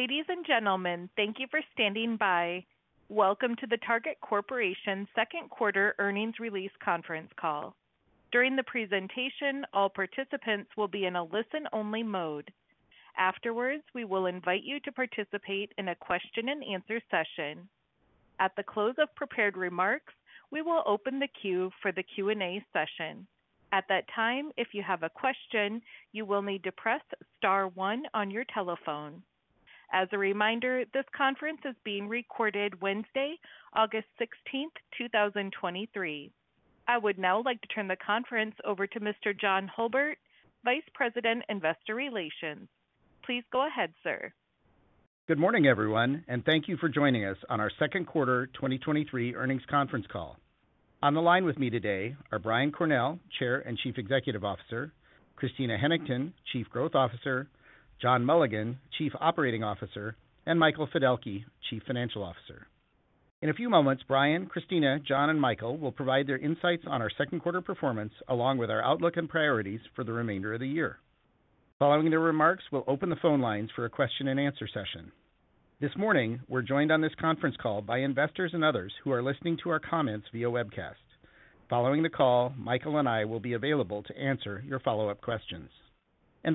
Ladies and gentlemen, thank you for standing by. Welcome to the Target Corporation second quarter earnings release conference call. During the presentation, all participants will be in a listen-only mode. Afterwards, we will invite you to participate in a question-and-answer session. At the close of prepared remarks, we will open the queue for the Q&A session. At that time, if you have a question, you will need to press star one on your telephone. As a reminder, this conference is being recorded Wednesday, August 16th, 2023. I would now like to turn the conference over to Mr. John Hulbert, Vice President, Investor Relations. Please go ahead, sir. Good morning, everyone, thank you for joining us on our second quarter 2023 earnings conference call. On the line with me today are Brian Cornell, Chair and Chief Executive Officer, Christina Hennington, Chief Growth Officer, John Mulligan, Chief Operating Officer, and Michael Fiddelke, Chief Financial Officer. In a few moments, Brian, Christina, John, and Michael will provide their insights on our second quarter performance, along with our outlook and priorities for the remainder of the year. Following their remarks, we'll open the phone lines for a question-and-answer session. This morning, we're joined on this conference call by investors and others who are listening to our comments via webcast. Following the call, Michael and I will be available to answer your follow-up questions.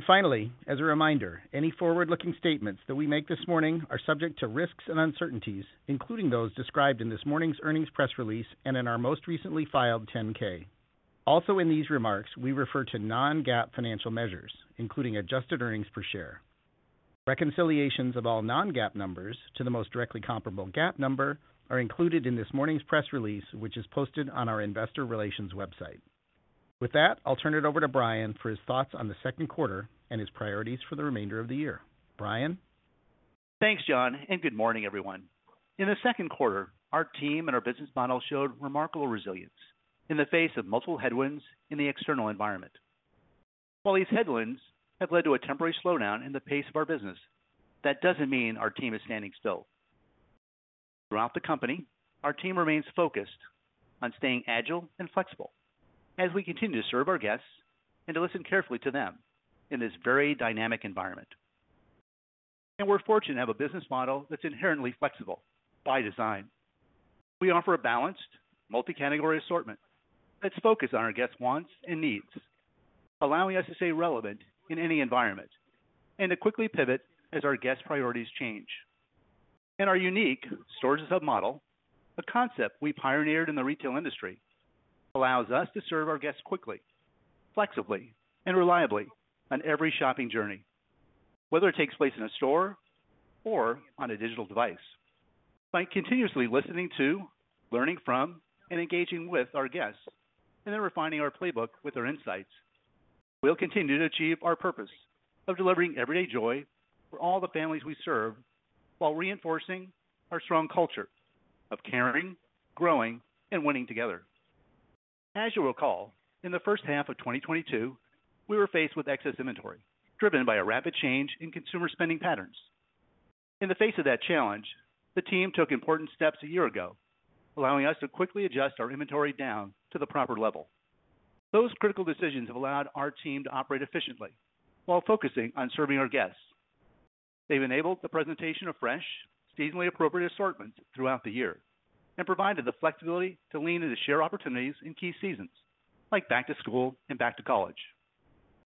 Finally, as a reminder, any forward-looking statements that we make this morning are subject to risks and uncertainties, including those described in this morning's earnings press release and in our most recently filed 10-K. In these remarks, we refer to non-GAAP financial measures, including adjusted earnings per share. Reconciliations of all non-GAAP numbers to the most directly comparable GAAP number are included in this morning's press release, which is posted on our investor relations website. With that, I'll turn it over to Brian for his thoughts on the second quarter and his priorities for the remainder of the year. Brian? Thanks, John, and good morning, everyone. In the second quarter, our team and our business model showed remarkable resilience in the face of multiple headwinds in the external environment. While these headwinds have led to a temporary slowdown in the pace of our business, that doesn't mean our team is standing still. Throughout the company, our team remains focused on staying agile and flexible as we continue to serve our guests and to listen carefully to them in this very dynamic environment. We're fortunate to have a business model that's inherently flexible by design. We offer a balanced, multi-category assortment that's focused on our guests' wants and needs, allowing us to stay relevant in any environment and to quickly pivot as our guests' priorities change. Our unique Store-as-a-Hub model, a concept we pioneered in the retail industry, allows us to serve our guests quickly, flexibly, and reliably on every shopping journey, whether it takes place in a store or on a digital device. By continuously listening to, learning from, and engaging with our guests, and then refining our playbook with their insights, we'll continue to achieve our purpose of delivering everyday joy for all the families we serve, while reinforcing our strong culture of caring, growing, and winning together. As you'll recall, in the first half of 2022, we were faced with excess inventory, driven by a rapid change in consumer spending patterns. In the face of that challenge, the team took important steps a year ago, allowing us to quickly adjust our inventory down to the proper level. Those critical decisions have allowed our team to operate efficiently while focusing on serving our guests. They've enabled the presentation of fresh, seasonally appropriate assortments throughout the year and provided the flexibility to lean into share opportunities in key seasons like back to school and back to college.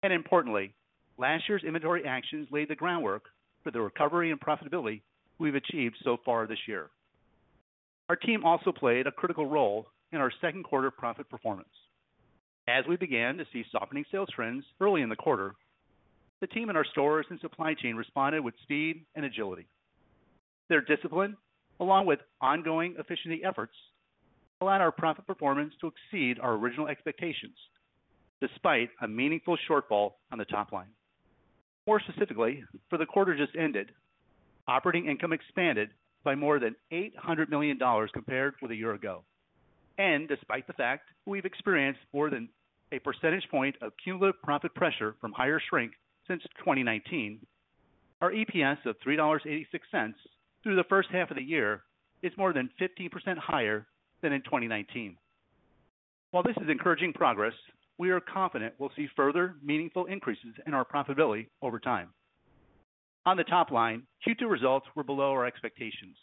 Importantly, last year's inventory actions laid the groundwork for the recovery and profitability we've achieved so far this year. Our team also played a critical role in our second quarter profit performance. As we began to see softening sales trends early in the quarter, the team in our stores and supply chain responded with speed and agility. Their discipline, along with ongoing efficiency efforts, allowed our profit performance to exceed our original expectations, despite a meaningful shortfall on the top line. More specifically, for the quarter just ended, operating income expanded by more than $800 million compared with a year ago. Despite the fact we've experienced more than 1 percentage point of cumulative profit pressure from higher shrink since 2019, our EPS of $3.86 through the first half of the year is more than 15% higher than in 2019. While this is encouraging progress, we are confident we'll see further meaningful increases in our profitability over time. On the top line, Q2 results were below our expectations,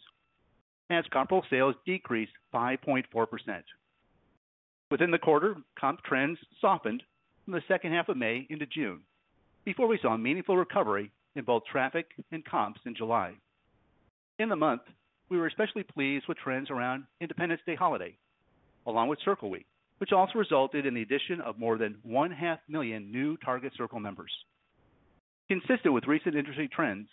as comparable sales decreased by 0.4%. Within the quarter, comp trends softened from the second half of May into June, before we saw a meaningful recovery in both traffic and comps in July. In the month, we were especially pleased with trends around Independence Day holiday, along with Circle Week, which also resulted in the addition of more than $500,000 new Target Circle members. Consistent with recent industry trends,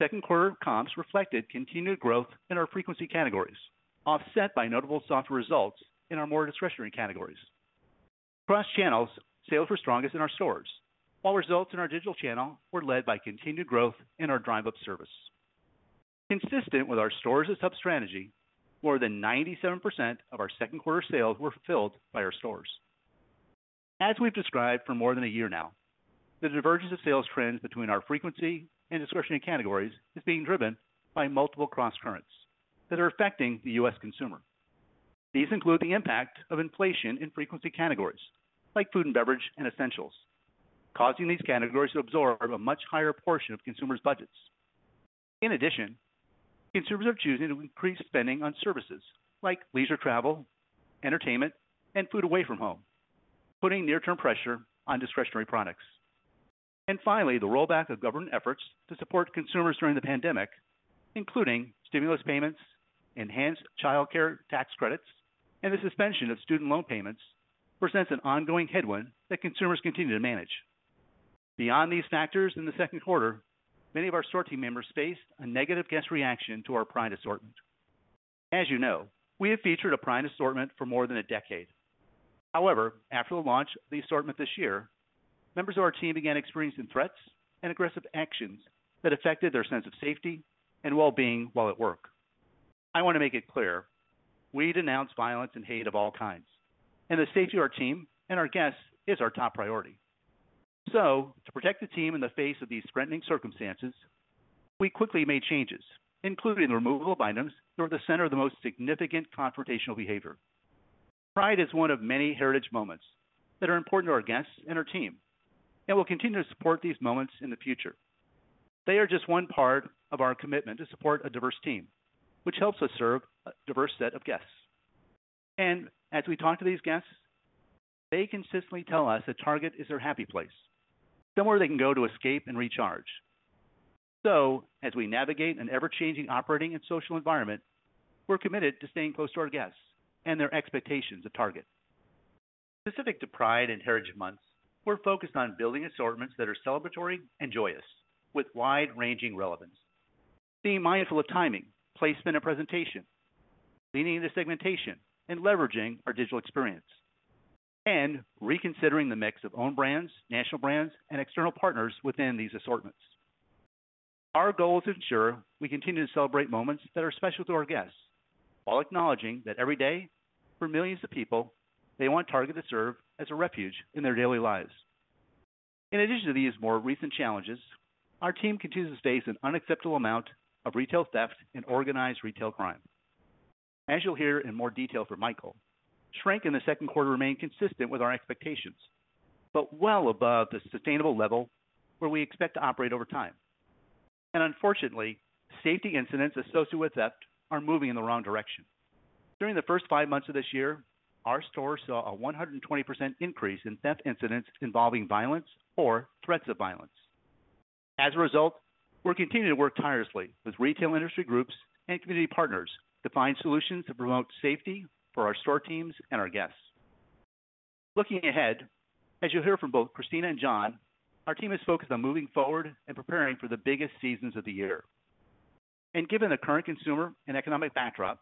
second quarter comps reflected continued growth in our frequency categories, offset by notable softer results in our more discretionary categories. Across channels, sales were strongest in our stores, while results in our digital channel were led by continued growth in our Drive Up service. Consistent with our Stores-as-Hub strategy, more than 97% of our second quarter sales were fulfilled by our stores. As we've described for more than a year now, the divergence of sales trends between our frequency and discretionary categories is being driven by multiple crosscurrents that are affecting the U.S. consumer. These include the impact of inflation in frequency categories like food and beverage and essentials, causing these categories to absorb a much higher portion of consumers' budgets. In addition, consumers are choosing to increase spending on services like leisure travel, entertainment, and food away from home, putting near-term pressure on discretionary products. Finally, the rollback of government efforts to support consumers during the pandemic, including stimulus payments, enhanced childcare tax credits, and the suspension of student loan payments, presents an ongoing headwind that consumers continue to manage. Beyond these factors, in Q2, many of our store team members faced a negative guest reaction to our Pride assortment. As you know, we have featured a Pride assortment for more than a decade. After the launch of the assortment this year, members of our team began experiencing threats and aggressive actions that affected their sense of safety and well-being while at work. I want to make it clear, we denounce violence and hate of all kinds, and the safety of our team and our guests is our top priority. To protect the team in the face of these threatening circumstances, we quickly made changes, including the removal of items that were the center of the most significant confrontational behavior. Pride is one of many heritage moments that are important to our guests and our team, and we'll continue to support these moments in the future. They are just one part of our commitment to support a diverse team, which helps us serve a diverse set of guests. As we talk to these guests, they consistently tell us that Target is their happy place, somewhere they can go to escape and recharge. As we navigate an ever-changing operating and social environment, we're committed to staying close to our guests and their expectations of Target. Specific to Pride and Heritage Months, we're focused on building assortments that are celebratory and joyous, with wide-ranging relevance. Being mindful of timing, placement, and presentation, leaning into segmentation, and leveraging our digital experience, and reconsidering the mix of own brands, national brands, and external partners within these assortments. Our goal is to ensure we continue to celebrate moments that are special to our guests, while acknowledging that every day, for millions of people, they want Target to serve as a refuge in their daily lives. In addition to these more recent challenges, our team continues to face an unacceptable amount of retail theft and organized retail crime. As you'll hear in more detail from Michael, shrink in the second quarter remained consistent with our expectations, but well above the sustainable level where we expect to operate over time. Unfortunately, safety incidents associated with theft are moving in the wrong direction. During the first five months of this year, our store saw a 120% increase in theft incidents involving violence or threats of violence. As a result, we're continuing to work tirelessly with retail industry groups and community partners to find solutions to promote safety for our store teams and our guests. Looking ahead, as you'll hear from both Christina and John, our team is focused on moving forward and preparing for the biggest seasons of the year. Given the current consumer and economic backdrop,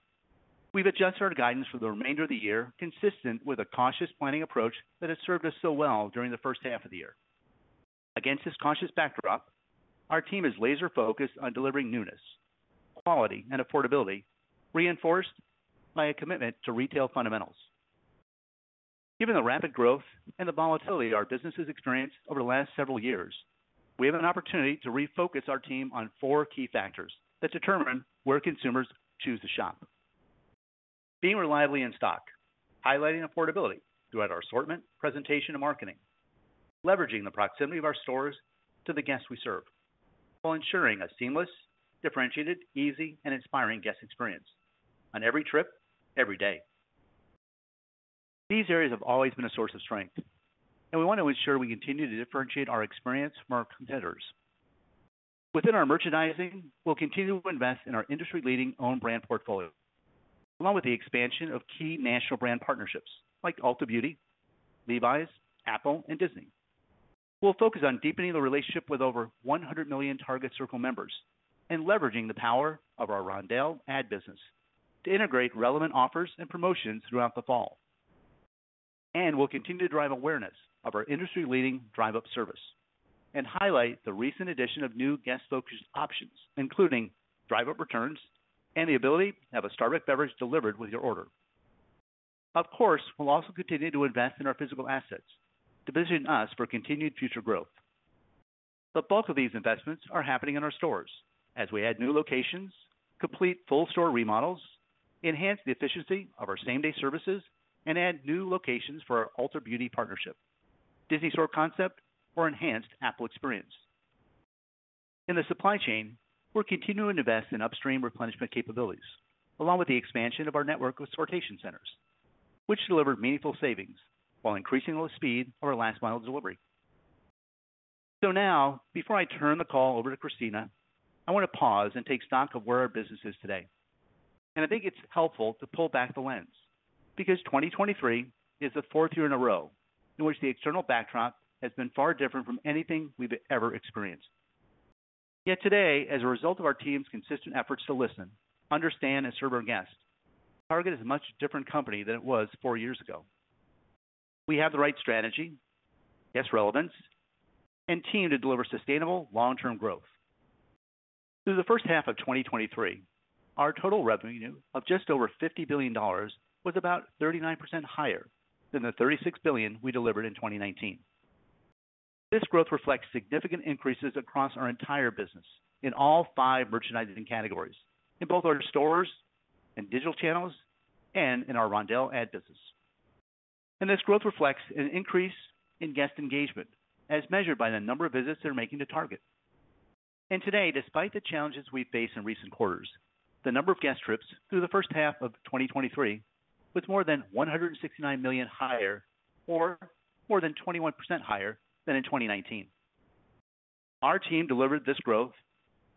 we've adjusted our guidance for the remainder of the year, consistent with a cautious planning approach that has served us so well during the first half of the year. Against this cautious backdrop, our team is laser focused on delivering newness, quality, and affordability, reinforced by a commitment to retail fundamentals. Given the rapid growth and the volatility our business has experienced over the last several years, we have an opportunity to refocus our team on four key factors that determine where consumers choose to shop. Being reliably in stock, highlighting affordability throughout our assortment, presentation, and marketing, leveraging the proximity of our stores to the guests we serve, while ensuring a seamless, differentiated, easy, and inspiring guest experience on every trip, every day. These areas have always been a source of strength, and we want to ensure we continue to differentiate our experience from our competitors. Within our merchandising, we'll continue to invest in our industry-leading own brand portfolio, along with the expansion of key national brand partnerships like Ulta Beauty, Levi's, Apple, and Disney. We'll focus on deepening the relationship with over 100 million Target Circle members and leveraging the power of our Roundel ad business to integrate relevant offers and promotions throughout the fall. We'll continue to drive awareness of our industry-leading Drive Up service and highlight the recent addition of new guest-focused options, including Drive Up Returns and the ability to have a Starbucks beverage delivered with your order. Of course, we'll also continue to invest in our physical assets to position us for continued future growth. The bulk of these investments are happening in our stores as we add new locations, complete full store remodels, enhance the efficiency of our same-day services, and add new locations for our Ulta Beauty partnership, Disney Store concept, or enhanced Apple experience. In the supply chain, we're continuing to invest in upstream replenishment capabilities, along with the expansion of our network of sortation centers, which deliver meaningful savings while increasing the speed of our last mile delivery. Now, before I turn the call over to Christina, I want to pause and take stock of where our business is today. I think it's helpful to pull back the lens, because 2023 is the fourth year in a row in which the external backdrop has been far different from anything we've ever experienced. Today, as a result of our team's consistent efforts to listen, understand, and serve our guests, Target is a much different company than it was four years ago. We have the right strategy, guest relevance, and team to deliver sustainable long-term growth. Through the first half of 2023, our total revenue of just over $50 billion was about 39% higher than the $36 billion we delivered in 2019. This growth reflects significant increases across our entire business in all five merchandising categories, in both our stores and digital channels, and in our Roundel ad business. This growth reflects an increase in guest engagement, as measured by the number of visits they're making to Target. Today, despite the challenges we've faced in recent quarters, the number of guest trips through the first half of 2023 was more than 169 million higher or more than 21% higher than in 2019. Our team delivered this growth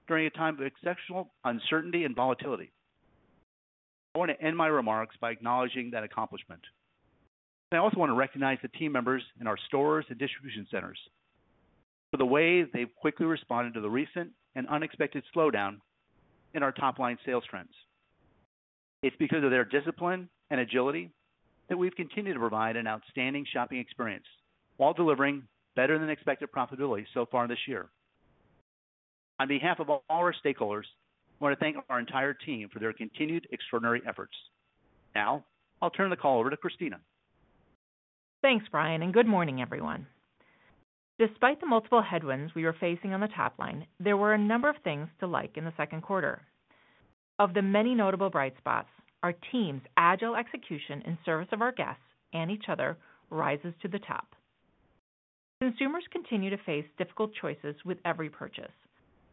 during a time of exceptional uncertainty and volatility. I want to end my remarks by acknowledging that accomplishment. I also want to recognize the team members in our stores and distribution centers for the way they've quickly responded to the recent and unexpected slowdown in our top-line sales trends. It's because of their discipline and agility that we've continued to provide an outstanding shopping experience while delivering better than expected profitability so far this year. On behalf of all our stakeholders, I want to thank our entire team for their continued extraordinary efforts. I'll turn the call over to Christina. Thanks, Brian. Good morning, everyone. Despite the multiple headwinds we are facing on the top line, there were a number of things to like in the second quarter. Of the many notable bright spots, our team's agile execution in service of our guests and each other rises to the top. Consumers continue to face difficult choices with every purchase,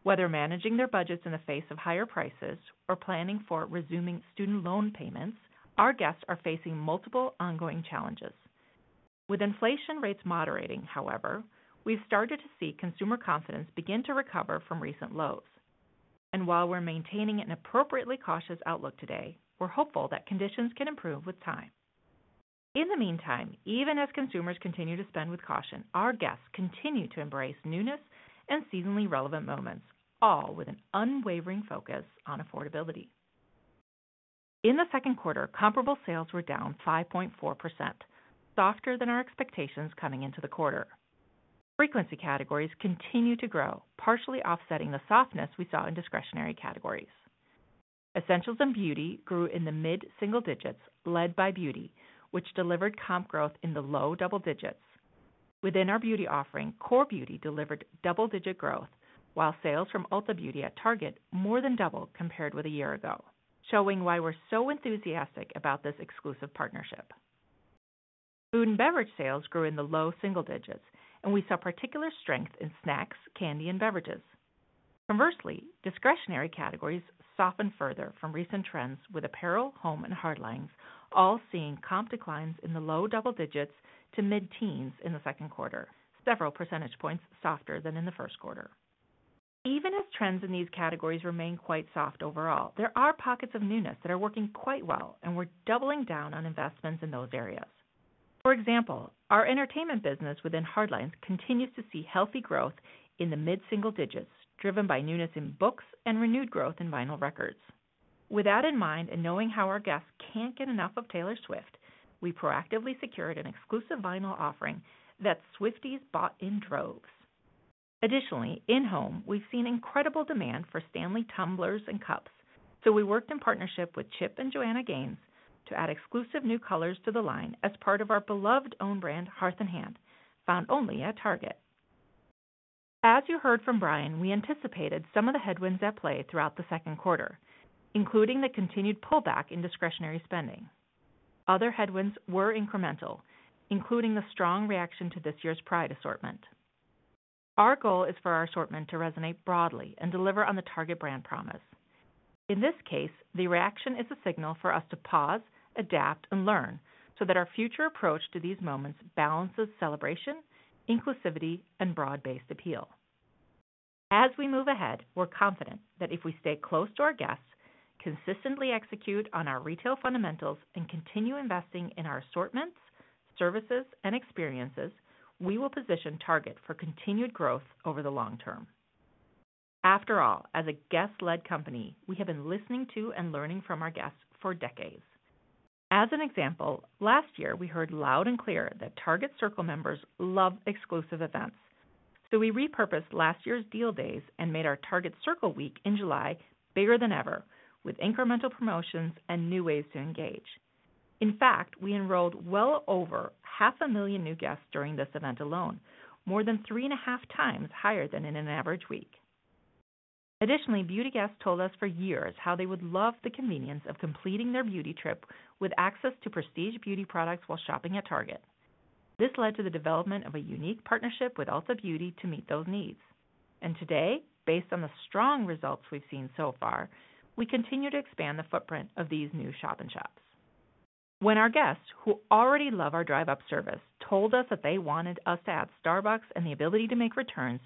whether managing their budgets in the face of higher prices or planning for resuming student loan payments, our guests are facing multiple ongoing challenges. With inflation rates moderating, however, we've started to see consumer confidence begin to recover from recent lows. While we're maintaining an appropriately cautious outlook today, we're hopeful that conditions can improve with time. In the meantime, even as consumers continue to spend with caution, our guests continue to embrace newness and seasonally relevant moments, all with an unwavering focus on affordability. In the second quarter, comparable sales were down 5.4%, softer than our expectations coming into the quarter. Frequency categories continue to grow, partially offsetting the softness we saw in discretionary categories. Essentials and beauty grew in the mid-single digits, led by beauty, which delivered comp growth in the low double digits. Within our beauty offering, core beauty delivered double-digit growth, while sales from Ulta Beauty at Target more than doubled compared with a year ago, showing why we're so enthusiastic about this exclusive partnership. Food and beverage sales grew in the low single digits. We saw particular strength in snacks, candy, and beverages. Conversely, discretionary categories softened further from recent trends, with apparel, home, and hard lines all seeing comp declines in the low double digits to mid-teens in the second quarter, several percentage points softer than in the first quarter. Even as trends in these categories remain quite soft overall, there are pockets of newness that are working quite well, and we're doubling down on investments in those areas. For example, our entertainment business within Hardlines continues to see healthy growth in the mid-single digits, driven by newness in books and renewed growth in vinyl records. With that in mind, and knowing how our guests can't get enough of Taylor Swift, we proactively secured an exclusive vinyl offering that Swifties bought in droves. Additionally, in Home, we've seen incredible demand for Stanley Tumblers and cups, so we worked in partnership with Chip and Joanna Gaines to add exclusive new colors to the line as part of our beloved own brand, Hearth & Hand, found only at Target. As you heard from Brian, we anticipated some of the headwinds at play throughout the second quarter, including the continued pullback in discretionary spending. Other headwinds were incremental, including the strong reaction to this year's Pride assortment. Our goal is for our assortment to resonate broadly and deliver on the Target brand promise. In this case, the reaction is a signal for us to pause, adapt, and learn so that our future approach to these moments balances celebration, inclusivity, and broad-based appeal. As we move ahead, we're confident that if we stay close to our guests, consistently execute on our retail fundamentals, and continue investing in our assortments, services, and experiences, we will position Target for continued growth over the long term. After all, as a guest-led company, we have been listening to and learning from our guests for decades. As an example, last year, we heard loud and clear that Target Circle members love exclusive events. We repurposed last year's Deal Days and made our Target Circle Week in July bigger than ever, with incremental promotions and new ways to engage. In fact, we enrolled well over 500,000 new guests during this event alone, more than 3.5x higher than in an average week. Additionally, beauty guests told us for years how they would love the convenience of completing their beauty trip with access to prestige beauty products while shopping at Target. This led to the development of a unique partnership with Ulta Beauty to meet those needs. Today, based on the strong results we've seen so far, we continue to expand the footprint of these new shop-in-shops. When our guests, who already love our Drive Up service, told us that they wanted us to add Starbucks and the ability to make returns,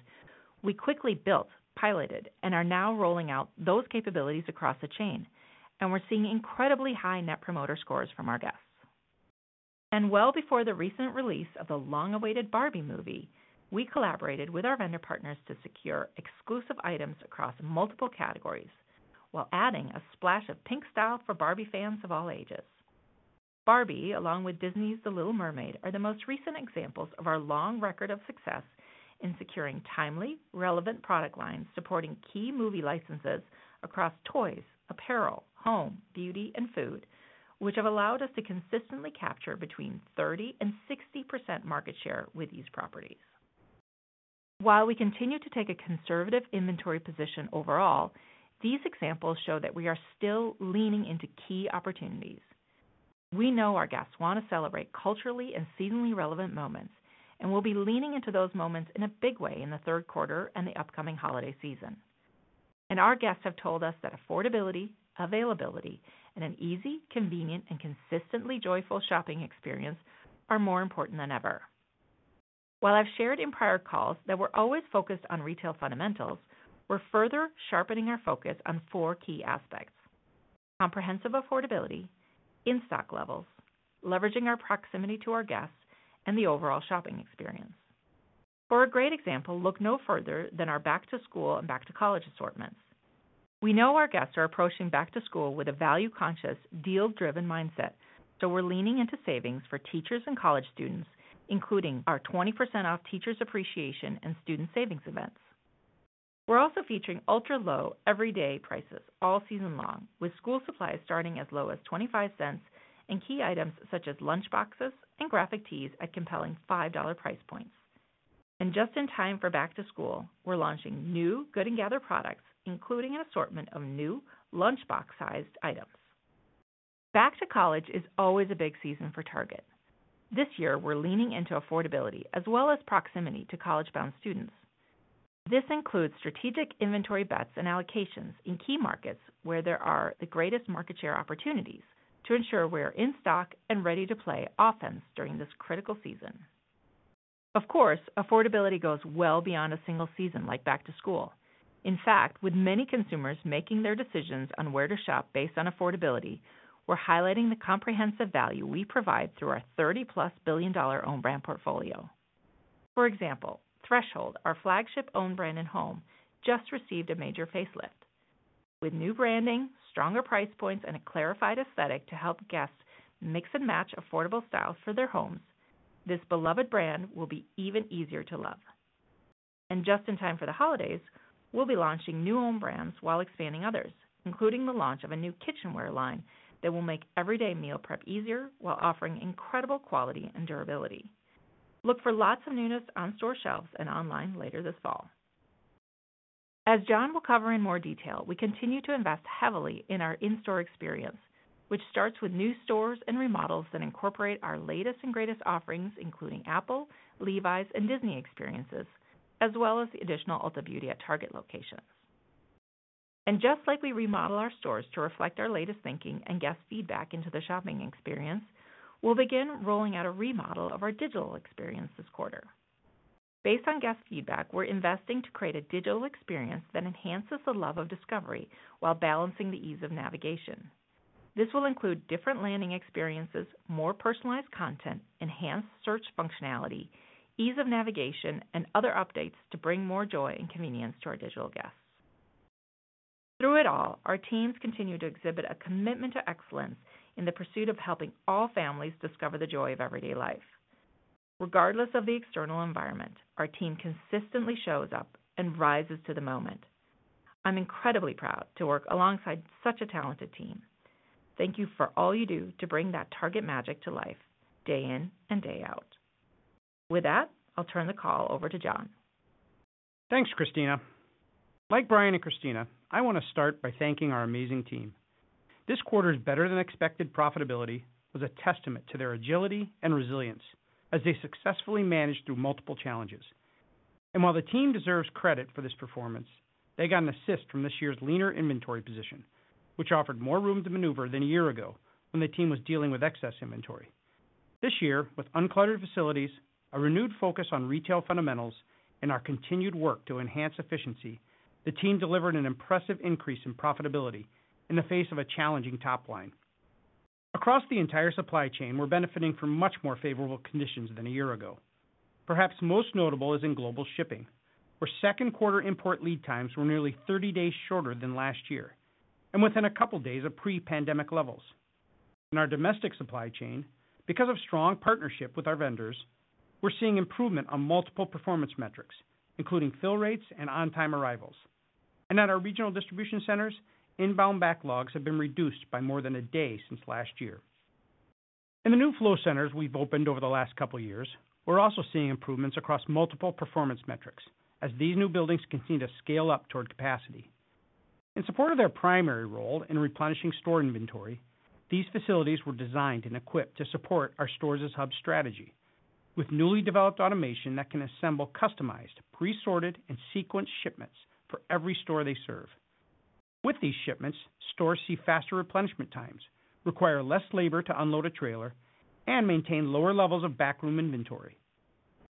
we quickly built, piloted, and are now rolling out those capabilities across the chain, and we're seeing incredibly high Net Promoter Scores from our guests. Well before the recent release of the long-awaited Barbie movie, we collaborated with our vendor partners to secure exclusive items across multiple categories while adding a splash of pink style for Barbie fans of all ages. Barbie, along with Disney's The Little Mermaid, are the most recent examples of our long record of success in securing timely, relevant product lines, supporting key movie licenses across toys, apparel, home, beauty, and food, which have allowed us to consistently capture between 30% and 60% market share with these properties... While we continue to take a conservative inventory position overall, these examples show that we are still leaning into key opportunities. We know our guests want to celebrate culturally and seasonally relevant moments, we'll be leaning into those moments in a big way in the third quarter and the upcoming holiday season. Our guests have told us that affordability, availability, and an easy, convenient, and consistently joyful shopping experience are more important than ever. While I've shared in prior calls that we're always focused on retail fundamentals, we're further sharpening our focus on four key aspects: comprehensive affordability, in-stock levels, leveraging our proximity to our guests, and the overall shopping experience. For a great example, look no further than our back to school and back to college assortments. We know our guests are approaching back to school with a value-conscious, deal-driven mindset, so we're leaning into savings for teachers and college students, including our 20% off Teachers Appreciation and Student Savings Events. We're also featuring ultra-low, everyday prices all season long, with school supplies starting as low as $0.25, and key items such as lunchboxes and graphic tees at compelling $5 price points. Just in time for back to school, we're launching new Good & Gather products, including an assortment of new lunchbox-sized items. Back to college is always a big season for Target. This year, we're leaning into affordability as well as proximity to college-bound students. This includes strategic inventory bets and allocations in key markets where there are the greatest market share opportunities to ensure we're in stock and ready to play offense during this critical season. Of course, affordability goes well beyond a single season like back to school. In fact, with many consumers making their decisions on where to shop based on affordability, we're highlighting the comprehensive value we provide through our $30+ billion own brand portfolio. For example, Threshold, our flagship own brand in Home, just received a major facelift. With new branding, stronger price points, and a clarified aesthetic to help guests mix and match affordable styles for their homes, this beloved brand will be even easier to love. Just in time for the holidays, we'll be launching new own brands while expanding others, including the launch of a new kitchenware line that will make everyday meal prep easier, while offering incredible quality and durability. Look for lots of newness on store shelves and online later this fall. As John will cover in more detail, we continue to invest heavily in our in-store experience, which starts with new stores and remodels that incorporate our latest and greatest offerings, including Apple, Levi's, and Disney experiences, as well as the additional Ulta Beauty at Target locations. Just like we remodel our stores to reflect our latest thinking and guest feedback into the shopping experience, we'll begin rolling out a remodel of our digital experience this quarter. Based on guest feedback, we're investing to create a digital experience that enhances the love of discovery while balancing the ease of navigation. This will include different landing experiences, more personalized content, enhanced search functionality, ease of navigation, and other updates to bring more joy and convenience to our digital guests. Through it all, our teams continue to exhibit a commitment to excellence in the pursuit of helping all families discover the joy of everyday life. Regardless of the external environment, our team consistently shows up and rises to the moment. I'm incredibly proud to work alongside such a talented team. Thank you for all you do to bring that Target magic to life day in and day out. With that, I'll turn the call over to John. Thanks, Christina. Like Brian and Christina, I want to start by thanking our amazing team. This quarter's better-than-expected profitability was a testament to their agility and resilience as they successfully managed through multiple challenges. While the team deserves credit for this performance, they got an assist from this year's leaner inventory position, which offered more room to maneuver than a year ago when the team was dealing with excess inventory. This year, with uncluttered facilities, a renewed focus on retail fundamentals, and our continued work to enhance efficiency, the team delivered an impressive increase in profitability in the face of a challenging top line. Across the entire supply chain, we're benefiting from much more favorable conditions than a year ago. Perhaps most notable is in global shipping, where second quarter import lead times were nearly 30 days shorter than last year, and within a couple of days of pre-pandemic levels. In our domestic supply chain, because of strong partnership with our vendors, we're seeing improvement on multiple performance metrics, including fill rates and on-time arrivals. At our regional distribution centers, inbound backlogs have been reduced by more than a day since last year. In the new flow centers we've opened over the last couple of years, we're also seeing improvements across multiple performance metrics as these new buildings continue to scale up toward capacity. In support of their primary role in replenishing store inventory, these facilities were designed and equipped to support our stores as hub strategy, with newly developed automation that can assemble customized, pre-sorted, and sequenced shipments for every store they serve. With these shipments, stores see faster replenishment times, require less labor to unload a trailer, and maintain lower levels of backroom inventory.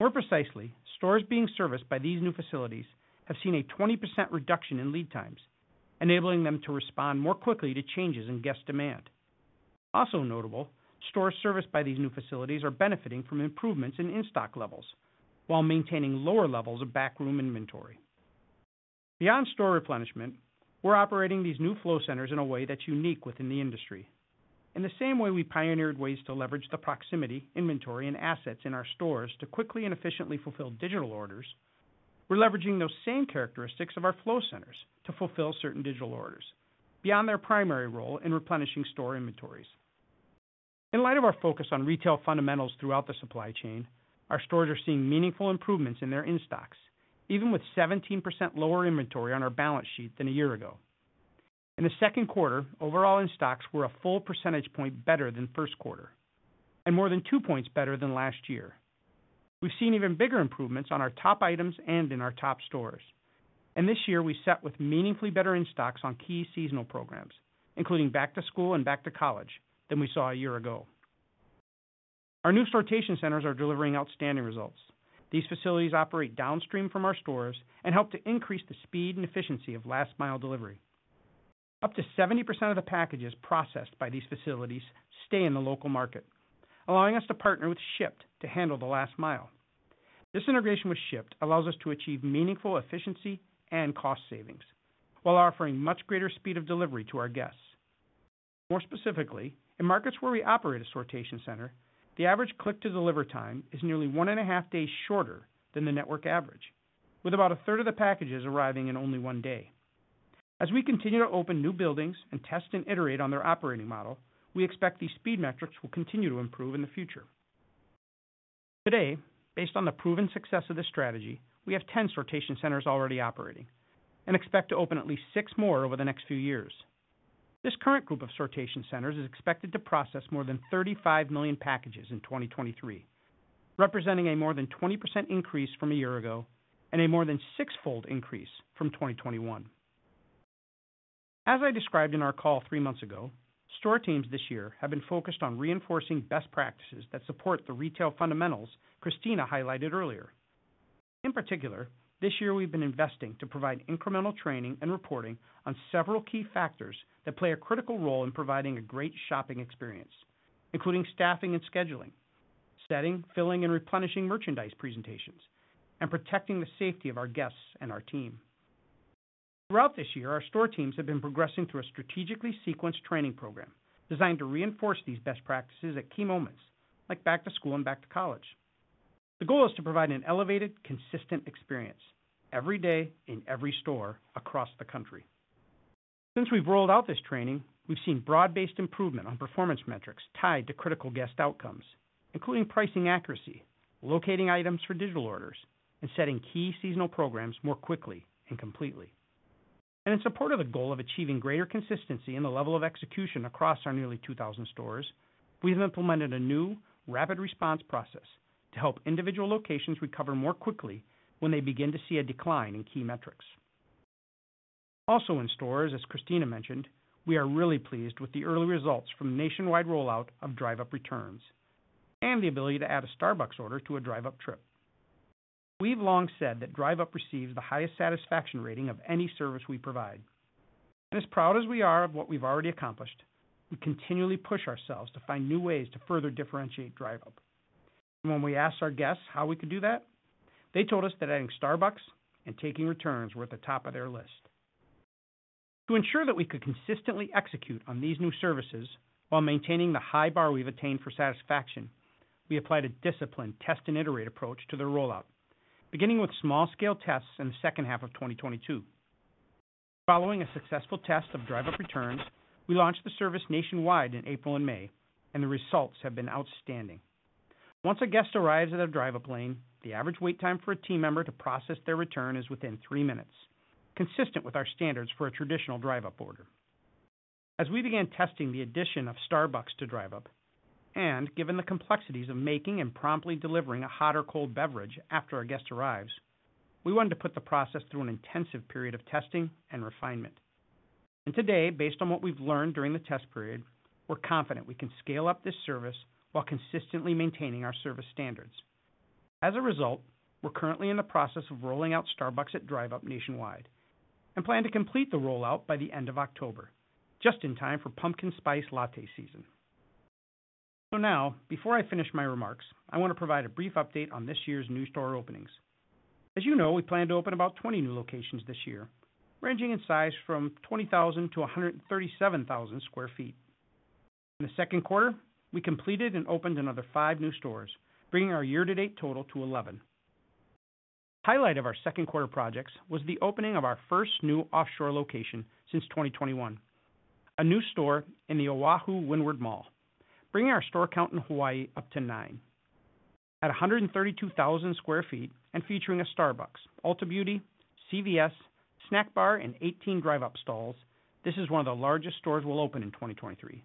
More precisely, stores being serviced by these new facilities have seen a 20% reduction in lead times, enabling them to respond more quickly to changes in guest demand. Also notable, stores serviced by these new facilities are benefiting from improvements in in-stock levels while maintaining lower levels of backroom inventory. Beyond store replenishment, we're operating these new flow centers in a way that's unique within the industry. In the same way we pioneered ways to leverage the proximity, inventory, and assets in our stores to quickly and efficiently fulfill digital orders, we're leveraging those same characteristics of our flow centers to fulfill certain digital orders beyond their primary role in replenishing store inventories. In light of our focus on retail fundamentals throughout the supply chain, our stores are seeing meaningful improvements in their in-stocks, even with 17% lower inventory on our balance sheet than a year ago. In the second quarter, overall in-stocks were a 1 percentage point better than first quarter, and more than 2 points better than last year. We've seen even bigger improvements on our top items and in our top stores, and this year, we sat with meaningfully better in-stocks on key seasonal programs, including back to school and back to college, than we saw a year ago. Our new sortation centers are delivering outstanding results. These facilities operate downstream from our stores and help to increase the speed and efficiency of last mile delivery. Up to 70% of the packages processed by these facilities stay in the local market, allowing us to partner with Shipt to handle the last mile. This integration with Shipt allows us to achieve meaningful efficiency and cost savings, while offering much greater speed of delivery to our guests. More specifically, in markets where we operate a sortation center, the average click to deliver time is nearly 1.5 days shorter than the network average, with about a third of the packages arriving in only 1 day. As we continue to open new buildings and test and iterate on their operating model, we expect these speed metrics will continue to improve in the future. Today, based on the proven success of this strategy, we have 10 sortation centers already operating and expect to open at least six more over the next few years. This current group of sortation centers is expected to process more than 35 million packages in 2023, representing a more than 20% increase from a year ago and a more than sixfold increase from 2021. As I described in our call three months ago, store teams this year have been focused on reinforcing best practices that support the retail fundamentals Christina highlighted earlier. In particular, this year we've been investing to provide incremental training and reporting on several key factors that play a critical role in providing a great shopping experience, including staffing and scheduling, setting, filling, and replenishing merchandise presentations, and protecting the safety of our guests and our team. Throughout this year, our store teams have been progressing through a strategically sequenced training program designed to reinforce these best practices at key moments like back to school and back to college. The goal is to provide an elevated, consistent experience every day in every store across the country. Since we've rolled out this training, we've seen broad-based improvement on performance metrics tied to critical guest outcomes, including pricing accuracy, locating items for digital orders, and setting key seasonal programs more quickly and completely. In support of the goal of achieving greater consistency in the level of execution across our nearly 2,000 stores, we've implemented a new rapid response process to help individual locations recover more quickly when they begin to see a decline in key metrics. In stores, as Christina mentioned, we are really pleased with the early results from the nationwide rollout of Drive Up Returns and the ability to add a Starbucks order to a Drive Up trip. We've long said that Drive Up receives the highest satisfaction rating of any service we provide. As proud as we are of what we've already accomplished, we continually push ourselves to find new ways to further differentiate Drive Up. When we asked our guests how we could do that, they told us that adding Starbucks and taking returns were at the top of their list. To ensure that we could consistently execute on these new services while maintaining the high bar we've attained for satisfaction, we applied a disciplined test and iterate approach to the rollout, beginning with small-scale tests in the second half of 2022. Following a successful test of Drive Up Returns, we launched the service nationwide in April and May, and the results have been outstanding. Once a guest arrives at a Drive Up lane, the average wait time for a team member to process their return is within three minutes, consistent with our standards for a traditional Drive Up order. As we began testing the addition of Starbucks to Drive Up, and given the complexities of making and promptly delivering a hot or cold beverage after our guest arrives, we wanted to put the process through an intensive period of testing and refinement. Today, based on what we've learned during the test period, we're confident we can scale up this service while consistently maintaining our service standards. As a result, we're currently in the process of rolling out Drive Up with Starbucks nationwide and plan to complete the rollout by the end of October, just in time for Pumpkin Spice Latte season. Now, before I finish my remarks, I want to provide a brief update on this year's new store openings. As you know, we plan to open about 20 new locations this year, ranging in size from 20,000-137,000 sq ft. In the Q2, we completed and opened another five new stores, bringing our year-to-date total to 11. Highlight of our Q2 projects was the opening of our first new offshore location since 2021, a new store in the Oahu Windward Mall, bringing our store count in Hawaii up to nine. At 132,000 sq ft and featuring a Starbucks, Ulta Beauty, CVS, snack bar, and 18 Drive Up stalls, this is one of the largest stores we'll open in 2023.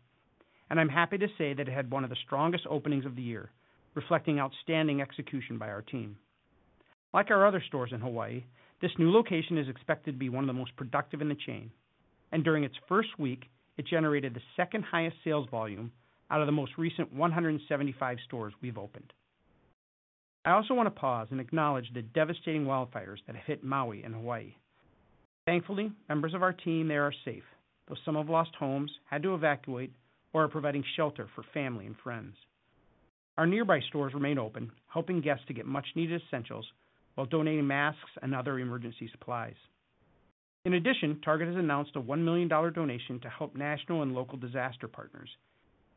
I'm happy to say that it had one of the strongest openings of the year, reflecting outstanding execution by our team. Like our other stores in Hawaii, this new location is expected to be one of the most productive in the chain. During its first week, it generated the second highest sales volume out of the most recent 175 stores we've opened. I also want to pause and acknowledge the devastating wildfires that hit Maui in Hawaii. Thankfully, members of our team there are safe, though some have lost homes, had to evacuate, or are providing shelter for family and friends. Our nearby stores remain open, helping guests to get much needed essentials while donating masks and other emergency supplies. In addition, Target has announced a $1 million donation to help national and local disaster partners,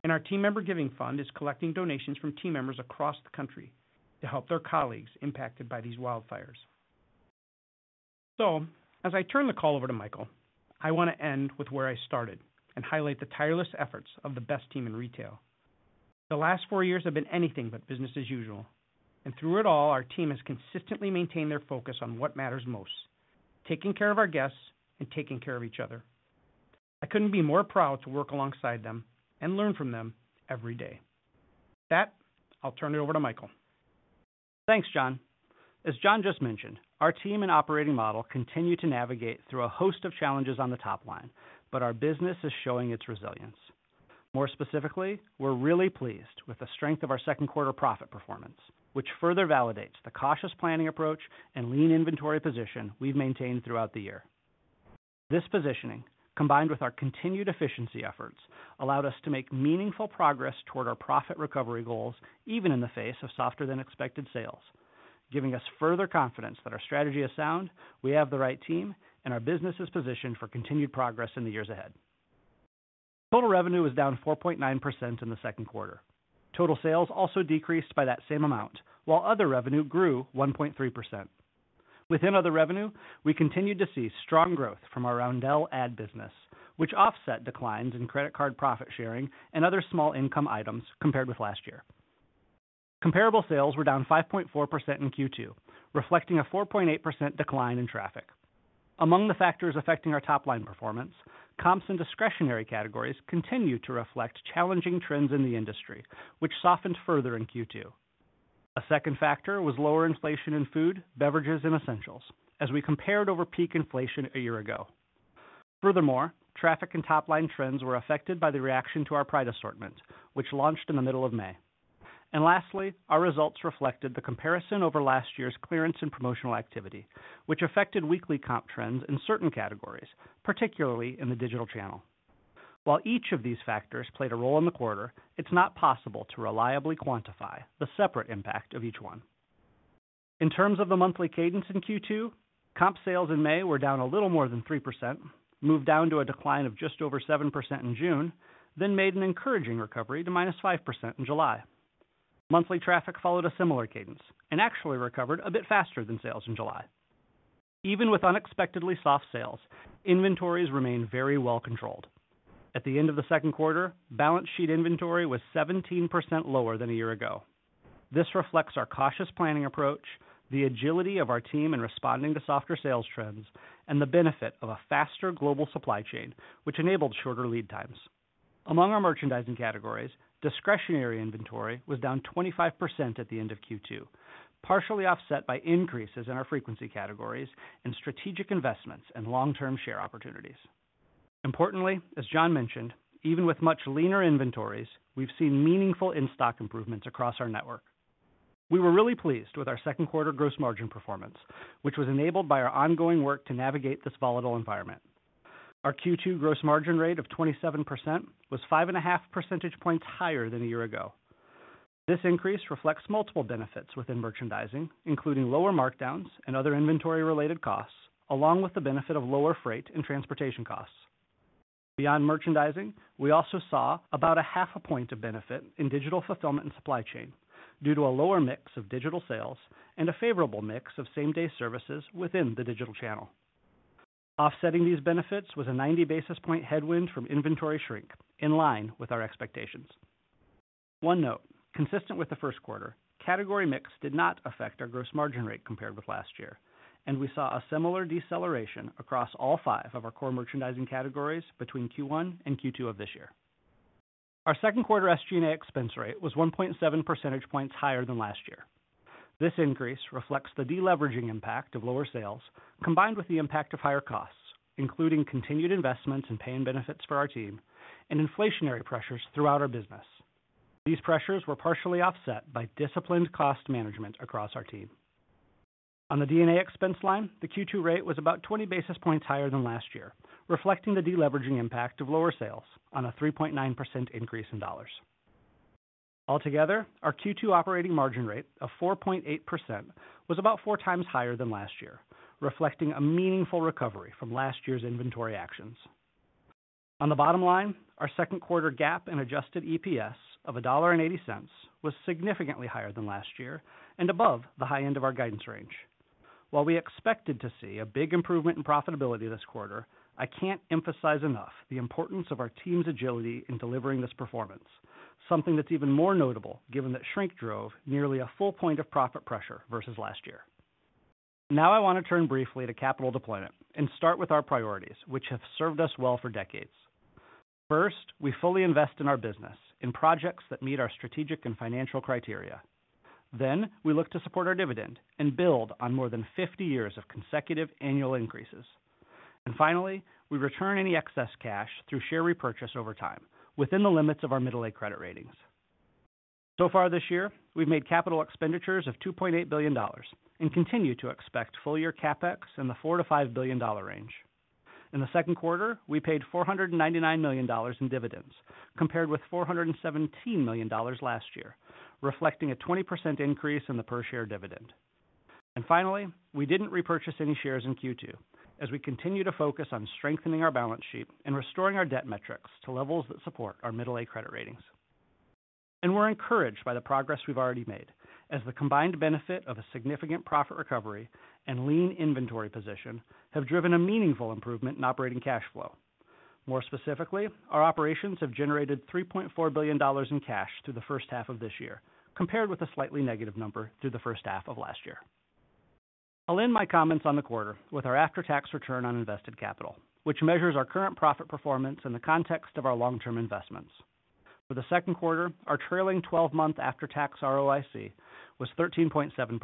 and our team member giving fund is collecting donations from team members across the country to help their colleagues impacted by these wildfires. As I turn the call over to Michael, I want to end with where I started and highlight the tireless efforts of the best team in retail. The last four years have been anything but business as usual, and through it all, our team has consistently maintained their focus on what matters most, taking care of our guests and taking care of each other. I couldn't be more proud to work alongside them and learn from them every day. With that, I'll turn it over to Michael. Thanks, John. John just mentioned, our team and operating model continue to navigate through a host of challenges on the top line, our business is showing its resilience. More specifically, we're really pleased with the strength of our second quarter profit performance, which further validates the cautious planning approach and lean inventory position we've maintained throughout the year. This positioning, combined with our continued efficiency efforts, allowed us to make meaningful progress toward our profit recovery goals, even in the face of softer than expected sales, giving us further confidence that our strategy is sound, we have the right team, our business is positioned for continued progress in the years ahead. Total revenue was down 4.9% in the second quarter. Total sales also decreased by that same amount, while other revenue grew 1.3%. Within other revenue, we continued to see strong growth from our Roundel ad business, which offset declines in credit card profit sharing and other small income items compared with last year. Comparable sales were down 5.4% in Q2, reflecting a 4.8% decline in traffic. Among the factors affecting our top line performance, comps and discretionary categories continued to reflect challenging trends in the industry, which softened further in Q2. A second factor was lower inflation in food, beverages, and essentials as we compared over peak inflation a year ago. Furthermore, traffic and top-line trends were affected by the reaction to our Pride assortment, which launched in the middle of May. Lastly, our results reflected the comparison over last year's clearance and promotional activity, which affected weekly comp trends in certain categories, particularly in the digital channel. While each of these factors played a role in the quarter, it's not possible to reliably quantify the separate impact of each one. In terms of the monthly cadence in Q2, comp sales in May were down a little more than 3%, moved down to a decline of just over 7% in June, then made an encouraging recovery to -5% in July. Monthly traffic followed a similar cadence and actually recovered a bit faster than sales in July. Even with unexpectedly soft sales, inventories remain very well controlled. At the end of the second quarter, balance sheet inventory was 17% lower than a year ago. This reflects our cautious planning approach, the agility of our team in responding to softer sales trends, and the benefit of a faster global supply chain, which enabled shorter lead times. Among our merchandising categories, discretionary inventory was down 25% at the end of Q2, partially offset by increases in our frequency categories and strategic investments and long-term share opportunities. Importantly, as John mentioned, even with much leaner inventories, we've seen meaningful in-stock improvements across our network. We were really pleased with our second quarter gross margin performance, which was enabled by our ongoing work to navigate this volatile environment. Our Q2 gross margin rate of 27% was 5.5 percentage points higher than a year ago. This increase reflects multiple benefits within merchandising, including lower markdowns and other inventory-related costs, along with the benefit of lower freight and transportation costs. Beyond merchandising, we also saw about a 0.5 percentage points of benefit in digital fulfillment and supply chain due to a lower mix of digital sales and a favorable mix of same-day services within the digital channel. Offsetting these benefits was a 90 basis point headwind from inventory shrink, in line with our expectations. One note, consistent with the first quarter, category mix did not affect our gross margin rate compared with last year, and we saw a similar deceleration across all five of our core merchandising categories between Q1 and Q2 of this year. Our second quarter SG&A expense rate was 1.7 percentage points higher than last year. This increase reflects the deleveraging impact of lower sales, combined with the impact of higher costs, including continued investments in pay and benefits for our team and inflationary pressures throughout our business. These pressures were partially offset by disciplined cost management across our team. On the D&A expense line, the Q2 rate was about 20 basis points higher than last year, reflecting the deleveraging impact of lower sales on a 3.9% increase in dollars. Altogether, our Q2 operating margin rate of 4.8% was about 4x higher than last year, reflecting a meaningful recovery from last year's inventory actions. On the bottom line, our second quarter GAAP and adjusted EPS of $1.80 was significantly higher than last year and above the high end of our guidance range. While we expected to see a big improvement in profitability this quarter, I can't emphasize enough the importance of our team's agility in delivering this performance. Something that's even more notable, given that shrink drove nearly a full point of profit pressure versus last year. Now I want to turn briefly to capital deployment and start with our priorities, which have served us well for decades. First, we fully invest in our business, in projects that meet our strategic and financial criteria. We look to support our dividend and build on more than 50 years of consecutive annual increases. Finally, we return any excess cash through share repurchase over time, within the limits of our middle A credit ratings. So far this year, we've made capital expenditures of $2.8 billion and continue to expect full year CapEx in the $4 billion to $5 billion range. In the second quarter, we paid $499 million in dividends, compared with $417 million last year, reflecting a 20% increase in the per share dividend. Finally, we didn't repurchase any shares in Q2 as we continue to focus on strengthening our balance sheet and restoring our debt metrics to levels that support our middle A credit ratings. We're encouraged by the progress we've already made, as the combined benefit of a significant profit recovery and lean inventory position have driven a meaningful improvement in operating cash flow. More specifically, our operations have generated $3.4 billion in cash through the first half of this year, compared with a slightly negative number through the first half of last year. I'll end my comments on the quarter with our after-tax return on invested capital, which measures our current profit performance in the context of our long-term investments. For the second quarter, our trailing twelve-month after-tax ROIC was 13.7%.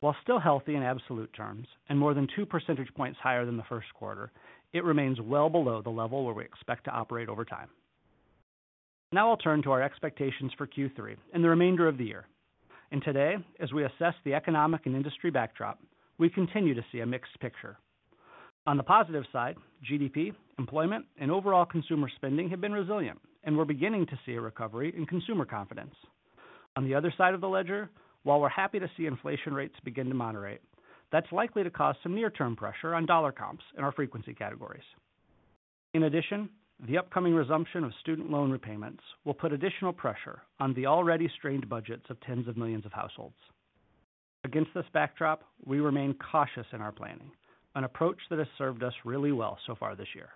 While still healthy in absolute terms, and more than two percentage points higher than the first quarter, it remains well below the level where we expect to operate over time. Now I'll turn to our expectations for Q3 and the remainder of the year. Today, as we assess the economic and industry backdrop, we continue to see a mixed picture. On the positive side, GDP, employment, and overall consumer spending have been resilient, and we're beginning to see a recovery in consumer confidence. On the other side of the ledger, while we're happy to see inflation rates begin to moderate, that's likely to cause some near-term pressure on dollar comps in our frequency categories. In addition, the upcoming resumption of student loan repayments will put additional pressure on the already strained budgets of tens of millions of households. Against this backdrop, we remain cautious in our planning, an approach that has served us really well so far this year.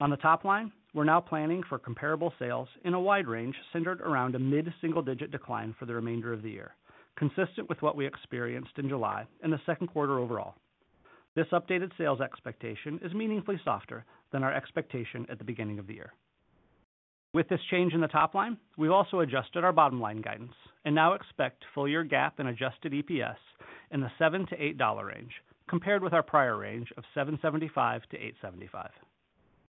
On the top line, we're now planning for comparable sales in a wide range, centered around a mid-single-digit decline for the remainder of the year, consistent with what we experienced in July and the second quarter overall. This updated sales expectation is meaningfully softer than our expectation at the beginning of the year. With this change in the top line, we've also adjusted our bottom line guidance and now expect full year GAAP and adjusted EPS in the $7 to $8 range, compared with our prior range of $7.75 to $8.75.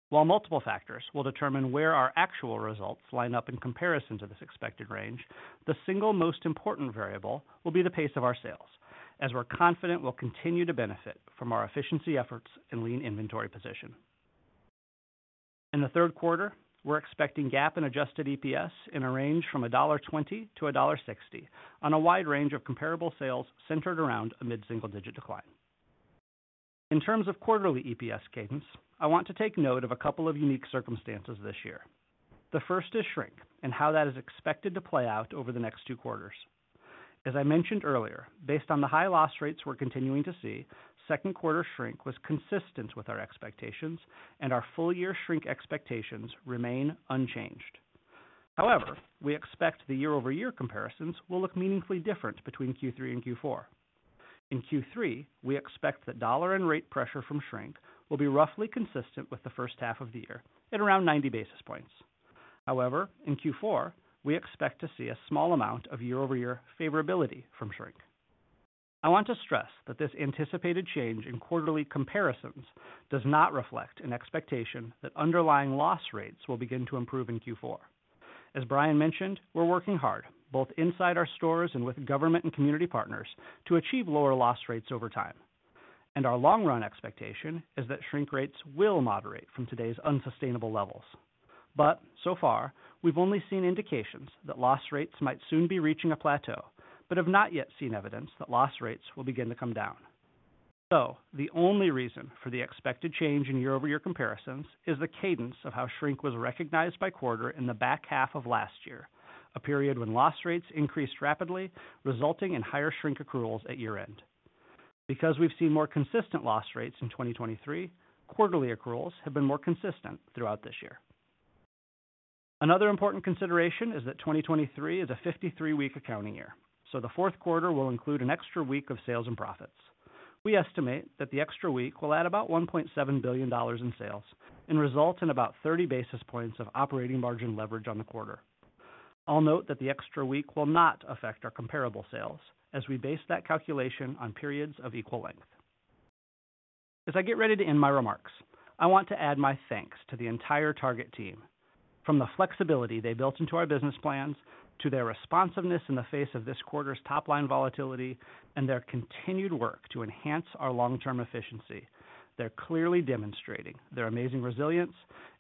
While multiple factors will determine where our actual results line up in comparison to this expected range, the single most important variable will be the pace of our sales, as we're confident we'll continue to benefit from our efficiency efforts and lean inventory position. In Q3, we're expecting GAAP and adjusted EPS in a range from $1.20 to $1.60, on a wide range of comparable sales centered around a mid-single-digit decline. In terms of quarterly EPS cadence, I want to take note of a couple of unique circumstances this year. The first is shrink, and how that is expected to play out over the next two quarters. As I mentioned earlier, based on the high loss rates we're continuing to see, Q2 shrink was consistent with our expectations, and our full-year shrink expectations remain unchanged. We expect the year-over-year comparisons will look meaningfully different between Q3 and Q4. In Q3, we expect that dollar and rate pressure from shrink will be roughly consistent with the first half of the year at around 90 basis points. In Q4, we expect to see a small amount of year-over-year favorability from shrink. I want to stress that this anticipated change in quarterly comparisons does not reflect an expectation that underlying loss rates will begin to improve in Q4. As Brian mentioned, we're working hard, both inside our stores and with government and community partners, to achieve lower loss rates over time, and our long run expectation is that shrink rates will moderate from today's unsustainable levels. So far, we've only seen indications that loss rates might soon be reaching a plateau, but have not yet seen evidence that loss rates will begin to come down. The only reason for the expected change in year-over-year comparisons is the cadence of how shrink was recognized by quarter in the back half of last year, a period when loss rates increased rapidly, resulting in higher shrink accruals at year-end. Because we've seen more consistent loss rates in 2023, quarterly accruals have been more consistent throughout this year. Another important consideration is that 2023 is a 53-week accounting year, the fourth quarter will include an extra week of sales and profits. We estimate that the extra week will add about $1.7 billion in sales and result in about 30 basis points of operating margin leverage on the quarter. I'll note that the extra week will not affect our comparable sales, as we base that calculation on periods of equal length. As I get ready to end my remarks, I want to add my thanks to the entire Target team. From the flexibility they built into our business plans, to their responsiveness in the face of this quarter's top line volatility, and their continued work to enhance our long-term efficiency. They're clearly demonstrating their amazing resilience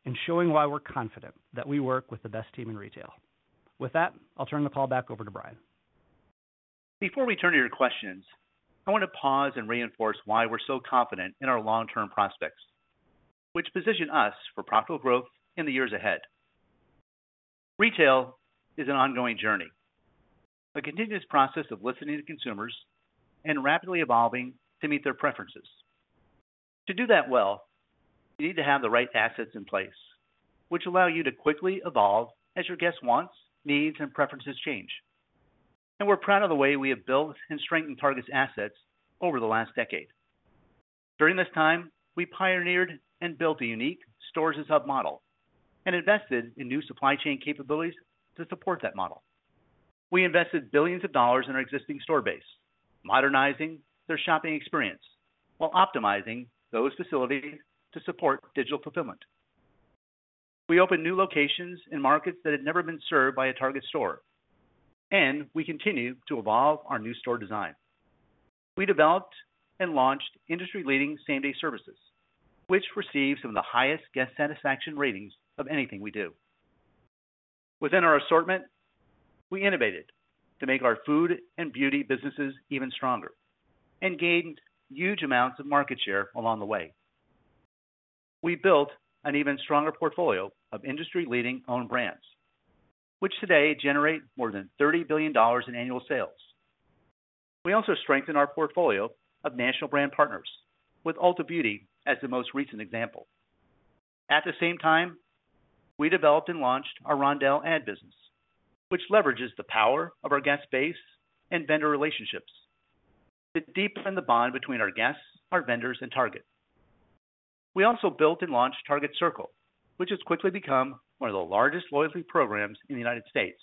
and showing why we're confident that we work with the best team in retail. With that, I'll turn the call back over to Brian. Before we turn to your questions, I want to pause and reinforce why we're so confident in our long-term prospects, which position us for profitable growth in the years ahead. Retail is an ongoing journey, a continuous process of listening to consumers and rapidly evolving to meet their preferences. To do that well, you need to have the right assets in place, which allow you to quickly evolve as your guest wants, needs, and preferences change. We're proud of the way we have built and strengthened Target's assets over the last decade. During this time, we pioneered and built a unique stores-as-hub model and invested in new supply chain capabilities to support that model. We invested billions of dollars in our existing store base, modernizing their shopping experience while optimizing those facilities to support digital fulfillment. We opened new locations in markets that had never been served by a Target store. We continue to evolve our new store design. We developed and launched industry-leading same-day services, which receive some of the highest guest satisfaction ratings of anything we do. Within our assortment, we innovated to make our food and beauty businesses even stronger and gained huge amounts of market share along the way. We built an even stronger portfolio of industry-leading own brands, which today generate more than $30 billion in annual sales. We also strengthened our portfolio of national brand partners, with Ulta Beauty as the most recent example. The same time, we developed and launched our Roundel ad business, which leverages the power of our guest base and vendor relationships to deepen the bond between our guests, our vendors, and Target. We also built and launched Target Circle, which has quickly become one of the largest loyalty programs in the United States,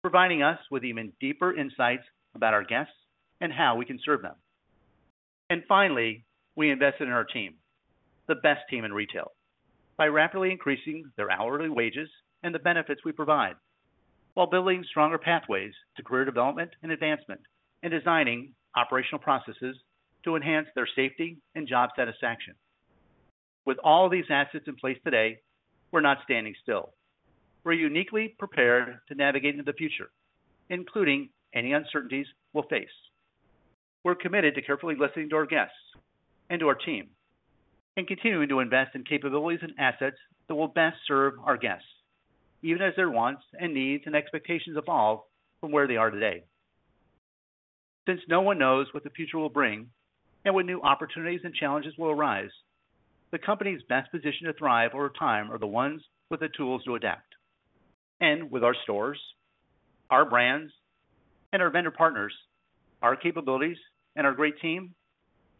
providing us with even deeper insights about our guests and how we can serve them. Finally, we invested in our team, the best team in retail, by rapidly increasing their hourly wages and the benefits we provide, while building stronger pathways to career development and advancement, and designing operational processes to enhance their safety and job satisfaction. With all of these assets in place today, we're not standing still. We're uniquely prepared to navigate into the future, including any uncertainties we'll face. We're committed to carefully listening to our guests and to our team, and continuing to invest in capabilities and assets that will best serve our guests, even as their wants and needs and expectations evolve from where they are today. Since no one knows what the future will bring and what new opportunities and challenges will arise, the company's best positioned to thrive over time are the ones with the tools to adapt. With our stores, our brands, and our vendor partners, our capabilities, and our great team,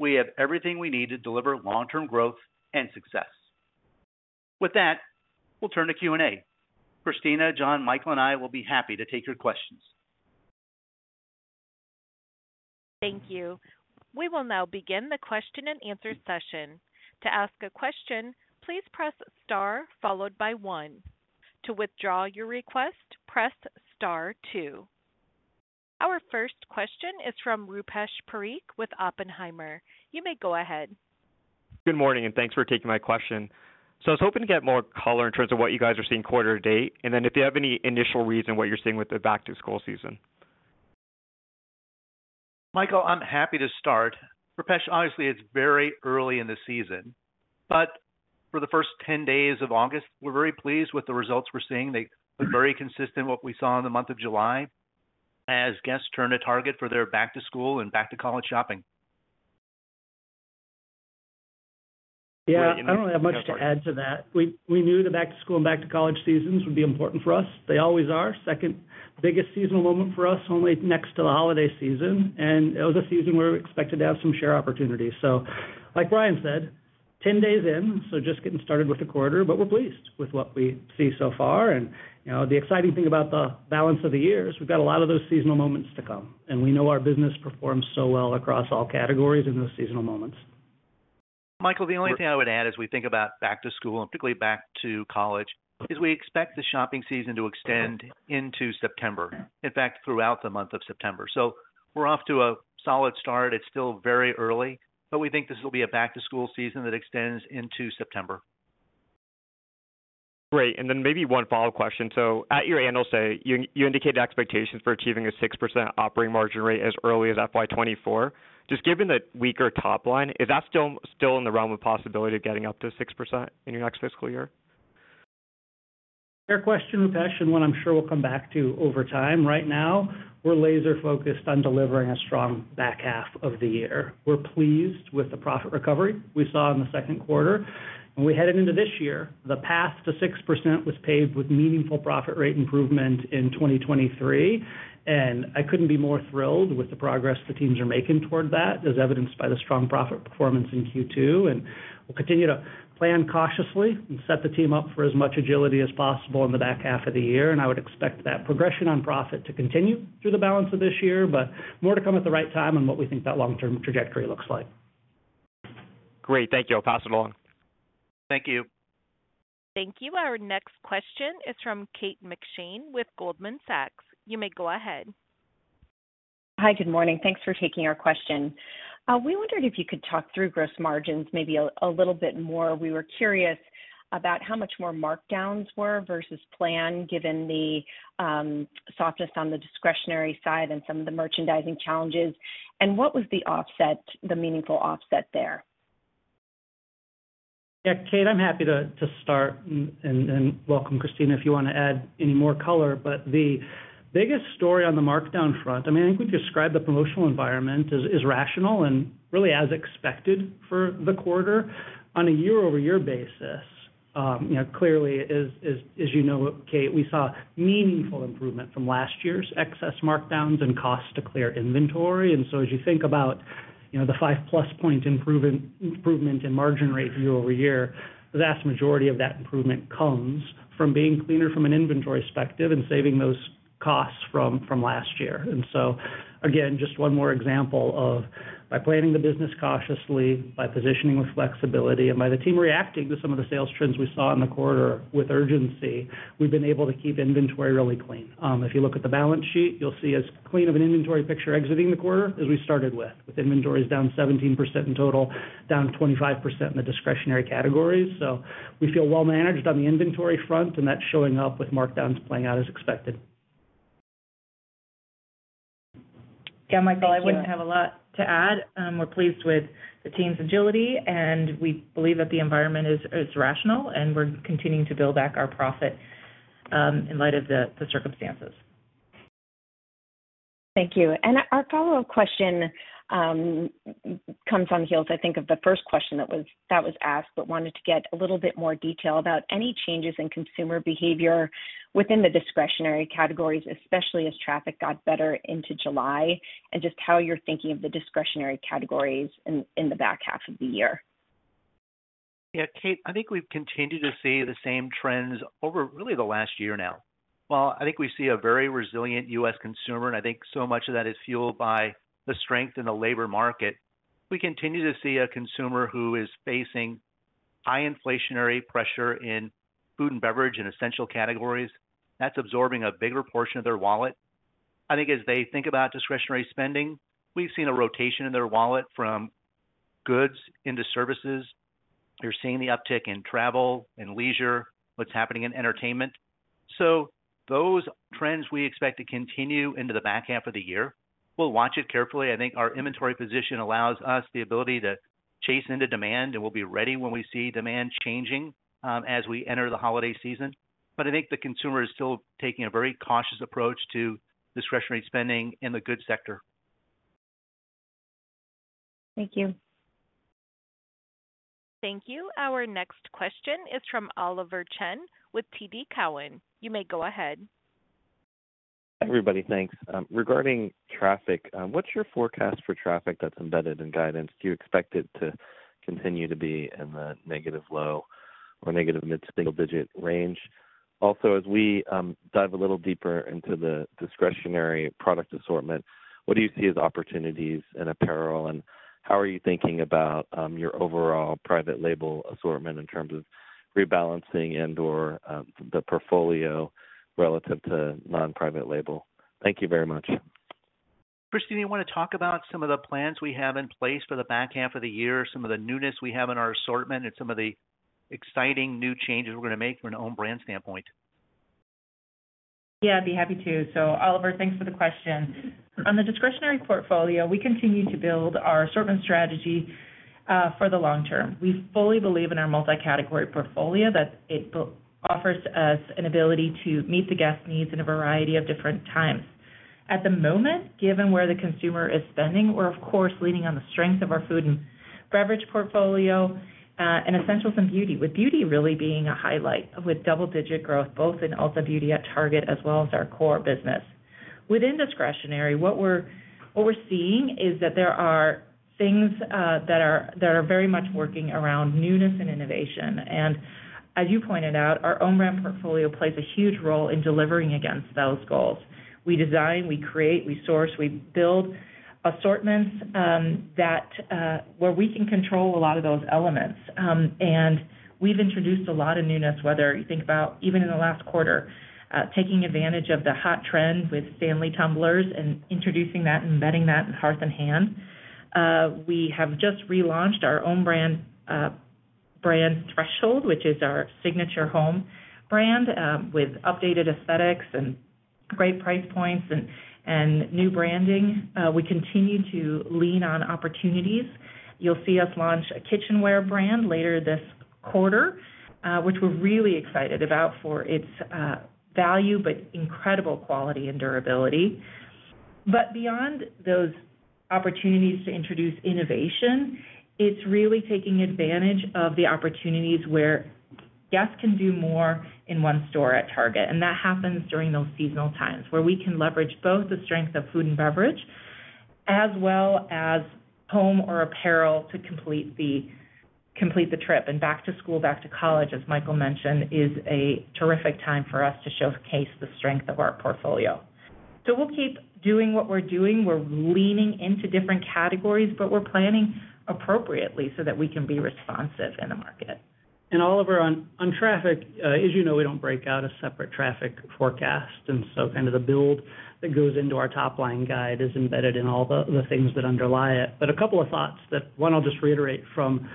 we have everything we need to deliver long-term growth and success. With that, we'll turn to Q&A. Christina, John, Michael, and I will be happy to take your questions. Thank you. We will now begin the question and answer session. To ask a question, please press star followed by one. To withdraw your request, press star two. Our first question is from Rupesh Parikh with Oppenheimer. You may go ahead. Good morning, thanks for taking my question. I was hoping to get more color in terms of what you guys are seeing quarter to date, and then if you have any initial reason, what you're seeing with the back-to-school season? Michael, I'm happy to start. Rupesh, obviously, it's very early in the season. For the first 10 days of August, we're very pleased with the results we're seeing. They are very consistent with what we saw in the month of July, as guests turn to Target for their back-to-school and back-to-college shopping. Yeah, I don't have much to add to that. We, we knew the back-to-school and back-to-college seasons would be important for us. They always are. Second biggest seasonal moment for us, only next to the holiday season, and it was a season where we expected to have some share opportunities. Like Brian said, 10 days in, so just getting started with the quarter, but we're pleased with what we see so far. You know, the exciting thing about the balance of the year is we've got a lot of those seasonal moments to come, and we know our business performs so well across all categories in those seasonal moments. Michael, the only thing I would add as we think about back to school and particularly back to college, is we expect the shopping season to extend into September, in fact, throughout the month of September. We're off to a solid start. It's still very early, but we think this will be a back-to-school season that extends into September. Great. Then maybe one follow-up question. At your annual say, you indicated expectations for achieving a 6% operating margin rate as early as FY 2024. Just given the weaker top line, is that still in the realm of possibility of getting up to 6% in your next fiscal year? Fair question, Rupesh, and one I'm sure we'll come back to over time. Right now, we're laser focused on delivering a strong back half of the year. We're pleased with the profit recovery we saw in the second quarter, and we headed into this year, the path to 6% was paved with meaningful profit rate improvement in 2023, and I couldn't be more thrilled with the progress the teams are making toward that, as evidenced by the strong profit performance in Q2. We'll continue to plan cautiously and set the team up for as much agility as possible in the back half of the year, and I would expect that progression on profit to continue through the balance of this year, but more to come at the right time and what we think that long-term trajectory looks like. Great. Thank you. I'll pass it along. Thank you. Thank you. Our next question is from Kate McShane with Goldman Sachs. You may go ahead. Hi, good morning. Thanks for taking our question. We wondered if you could talk through gross margins maybe a little bit more. We were curious about how much more markdowns were versus plan, given the softness on the discretionary side and some of the merchandising challenges, and what was the offset, the meaningful offset there? Yeah, Kate, I'm happy to, to start. Welcome, Christina, if you want to add any more color. The biggest story on the markdown front, I mean, I think we describe the promotional environment as, as rational and really as expected for the quarter. On a year-over-year basis, you know, clearly, as, as, as you know, Kate, we saw meaningful improvement from last year's excess markdowns and cost to clear inventory. So as you think about, you know, the five-plus point improvement, improvement in margin rate year-over-year, the vast majority of that improvement comes from being cleaner from an inventory perspective and saving those costs from, from last year. Again, just one more example of by planning the business cautiously, by positioning with flexibility, and by the team reacting to some of the sales trends we saw in the quarter with urgency, we've been able to keep inventory really clean. If you look at the balance sheet, you'll see as clean of an inventory picture exiting the quarter as we started with, with inventories down 17% in total, down 25% in the discretionary categories. We feel well managed on the inventory front, and that's showing up with markdowns playing out as expected. Yeah, Michael, I wouldn't have a lot to add. We're pleased with the team's agility, and we believe that the environment is, is rational, and we're continuing to build back our profit, in light of the, the circumstances. Thank you. Our follow-up question comes on the heels, I think, of the first question that was asked, but wanted to get a little bit more detail about any changes in consumer behavior within the discretionary categories, especially as traffic got better into July, and just how you're thinking of the discretionary categories in the back half of the year. Yeah, Kate, I think we've continued to see the same trends over really the last year now. While I think we see a very resilient U.S. consumer, and I think so much of that is fueled by the strength in the labor market, we continue to see a consumer who is facing high inflationary pressure in food and beverage and essential categories. That's absorbing a bigger portion of their wallet. I think as they think about discretionary spending, we've seen a rotation in their wallet from goods into services. You're seeing the uptick in travel and leisure, what's happening in entertainment. Those trends we expect to continue into the back half of the year. We'll watch it carefully. I think our inventory position allows us the ability to chase into demand, and we'll be ready when we see demand changing as we enter the holiday season. I think the consumer is still taking a very cautious approach to discretionary spending in the goods sector. Thank you. Thank you. Our next question is from Oliver Chen with TD Cowen. You may go ahead. Everybody, thanks. Regarding traffic, what's your forecast for traffic that's embedded in guidance? Do you expect it to continue to be in the negative low or negative mid-single digit range? Also, as we dive a little deeper into the discretionary product assortment, what do you see as opportunities in apparel, and how are you thinking about your overall private label assortment in terms of rebalancing and/or the portfolio relative to non-private label? Thank you very much. Christina, you want to talk about some of the plans we have in place for the back half of the year, some of the newness we have in our assortment, and some of the exciting new changes we're going to make from an own brand standpoint? Yeah, I'd be happy to. Oliver, thanks for the question. On the discretionary portfolio, we continue to build our assortment strategy for the long term. We fully believe in our multi-category portfolio, that it offers us an ability to meet the guest needs in a variety of different times. At the moment, given where the consumer is spending, we're of course, leaning on the strength of our food and beverage portfolio and essentials and beauty, with beauty really being a highlight, with double-digit growth, both in Ulta Beauty at Target as well as our core business. Within discretionary, what we're seeing is that there are things that are very much working around newness and innovation. As you pointed out, our own brand portfolio plays a huge role in delivering against those goals. We design, we create, we source, we build assortments, that where we can control a lot of those elements. We've introduced a lot of newness, whether you think about even in the last quarter, taking advantage of the hot trend with Stanley Tumblers and introducing that and embedding that in Hearth & Hand. We have just relaunched our own brand, Threshold, which is our signature home brand, with updated aesthetics and great price points and new branding. We continue to lean on opportunities. You'll see us launch a kitchenware brand later this quarter, which we're really excited about for its value, but incredible quality and durability. Beyond those opportunities to introduce innovation, it's really taking advantage of the opportunities where guests can do more in one store at Target. That happens during those seasonal times, where we can leverage both the strength of food and beverage, as well as home or apparel to complete the, complete the trip. Back to school, back to college, as Michael mentioned, is a terrific time for us to showcase the strength of our portfolio. We'll keep doing what we're doing. We're leaning into different categories. We're planning appropriately so that we can be responsive in the market. Oliver, on, on traffic, as you know, we don't break out a separate traffic forecast, so kind of the build that goes into our top-line guide is embedded in all the, the things that underlie it. A couple of thoughts that, one, I'll just reiterate from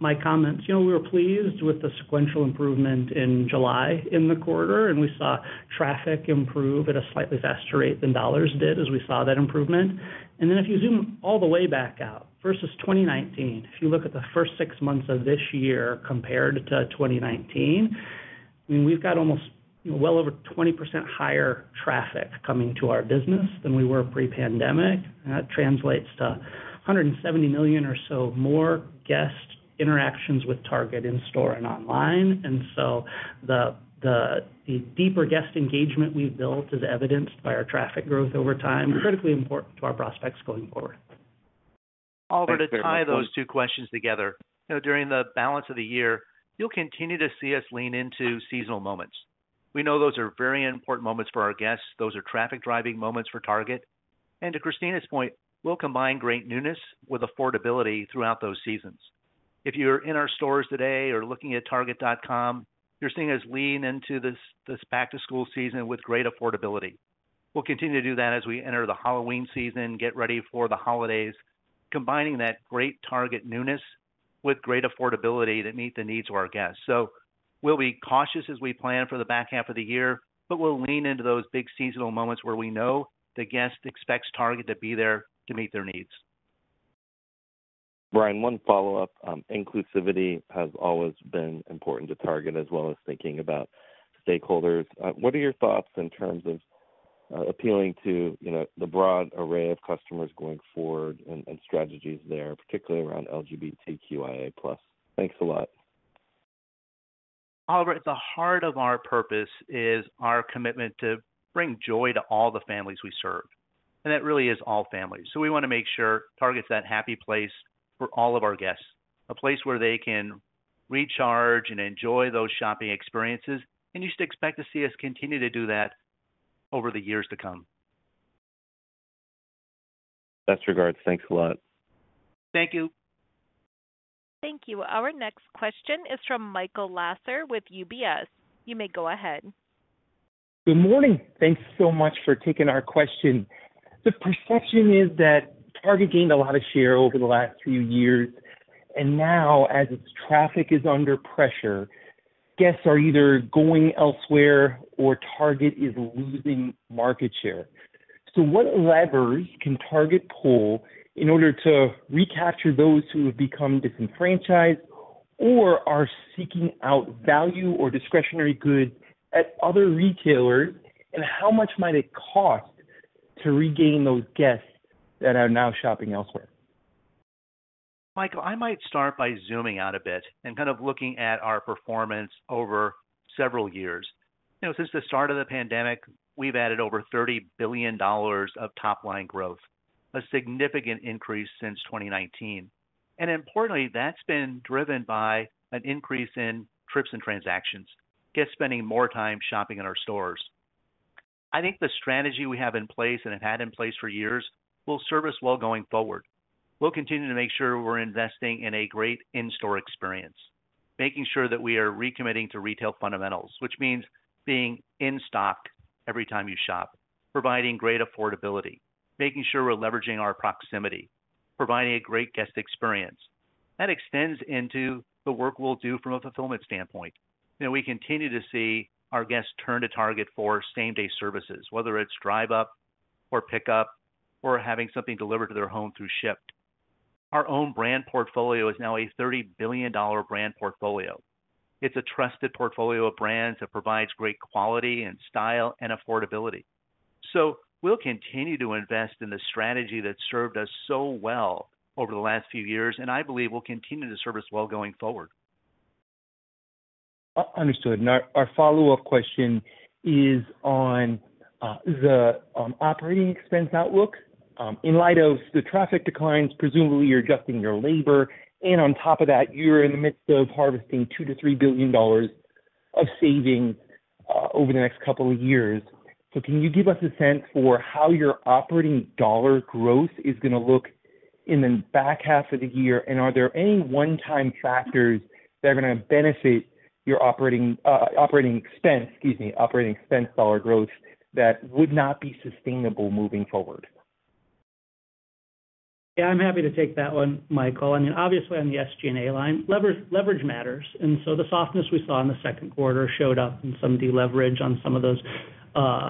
my comments. You know, we were pleased with the sequential improvement in July in the quarter, and we saw traffic improve at a slightly faster rate than dollars did, as we saw that improvement. If you zoom all the way back out, versus 2019, if you look at the 6 months of this year compared to 2019, I mean, we've got almost well over 20% higher traffic coming to our business than we were pre-pandemic. That translates to $170 million or so more guest interactions with Target in store and online. The deeper guest engagement we've built, as evidenced by our traffic growth over time, is critically important to our prospects going forward. Thanks very much. Oliver, to tie those two questions together, you know, during the balance of the year, you'll continue to see us lean into seasonal moments. We know those are very important moments for our guests. Those are traffic-driving moments for Target. To Christina's point, we'll combine great newness with affordability throughout those seasons. If you're in our stores today or looking at Target.com, you're seeing us lean into this back-to-school season with great affordability. We'll continue to do that as we enter the Halloween season, get ready for the holidays, combining that great Target newness with great affordability that meet the needs of our guests. We'll be cautious as we plan for the back half of the year, but we'll lean into those big seasonal moments where we know the guest expects Target to be there to meet their needs. Brian, one follow-up. Inclusivity has always been important to Target as well as thinking about stakeholders. What are your thoughts in terms of appealing to, you know, the broad array of customers going forward and strategies there, particularly around LGBTQIA+? Thanks a lot. Oliver, at the heart of our purpose is our commitment to bring joy to all the families we serve. That really is all families. We want to make sure Target's that happy place for all of our guests, a place where they can recharge and enjoy those shopping experiences. You should expect to see us continue to do that over the years to come. Best regards. Thanks a lot. Thank you. Thank you. Our next question is from Michael Lasser with UBS. You may go ahead. Good morning. Thanks so much for taking our question. The perception is that Target gained a lot of share over the last few years, and now, as its traffic is under pressure, guests are either going elsewhere or Target is losing market share. What levers can Target pull in order to recapture those who have become disenfranchised or are seeking out value or discretionary goods at other retailers? How much might it cost to regain those guests that are now shopping elsewhere? Michael, I might start by zooming out a bit and kind of looking at our performance over several years. You know, since the start of the pandemic, we've added over $30 billion of top-line growth, a significant increase since 2019. Importantly, that's been driven by an increase in trips and transactions, guests spending more time shopping in our stores. I think the strategy we have in place, and have had in place for years, will serve us well going forward. We'll continue to make sure we're investing in a great in-store experience, making sure that we are recommitting to retail fundamentals, which means being in stock every time you shop, providing great affordability, making sure we're leveraging our proximity, providing a great guest experience. That extends into the work we'll do from a fulfillment standpoint. You know, we continue to see our guests turn to Target for same-day services, whether it's Drive Up or pickup or having something delivered to their home through Shipt. Our own brand portfolio is now a $30 billion brand portfolio. It's a trusted portfolio of brands that provides great quality and style and affordability. We'll continue to invest in the strategy that's served us so well over the last few years, and I believe will continue to serve us well going forward. Understood. Our follow-up question is on the operating expense outlook. In light of the traffic declines, presumably you're adjusting your labor, and on top of that, you're in the midst of harvesting $2 billion to $3 billion of savings over the next couple of years. Can you give us a sense for how your operating dollar growth is going to look in the back half of the year? Are there any one-time factors that are going to benefit your operating expense, excuse me, operating expense dollar growth that would not be sustainable moving forward? Yeah, I'm happy to take that one, Michael. I mean, obviously on the SG&A line, leverage, leverage matters, and so the softness we saw in the second quarter showed up in some deleverage on some of those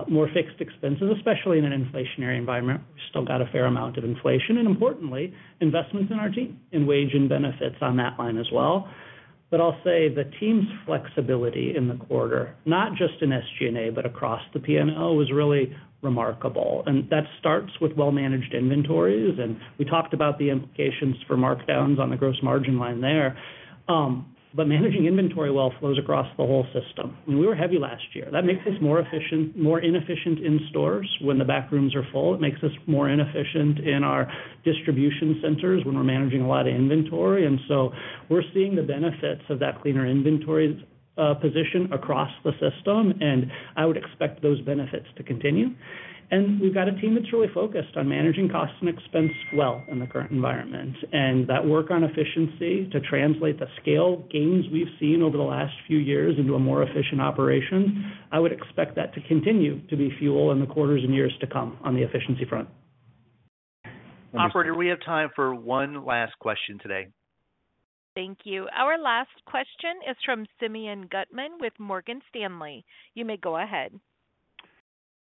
more fixed expenses, especially in an inflationary environment. We still got a fair amount of inflation, and importantly, investments in our team in wage and benefits on that line as well. I'll say the team's flexibility in the quarter, not just in SG&A, but across the P&L, was really remarkable, and that starts with well-managed inventories. We talked about the implications for markdowns on the gross margin line there. Managing inventory well flows across the whole system. When we were heavy last year, that makes us more inefficient in stores when the back rooms are full. It makes us more inefficient in our distribution centers when we're managing a lot of inventory. We're seeing the benefits of that cleaner inventory position across the system, and I would expect those benefits to continue. We've got a team that's really focused on managing costs and expense well in the current environment. That work on efficiency to translate the scale gains we've seen over the last few years into a more efficient operation, I would expect that to continue to be fuel in the quarters and years to come on the efficiency front. Operator, we have time for one last question today. Thank you. Our last question is from Simeon Gutman with Morgan Stanley. You may go ahead.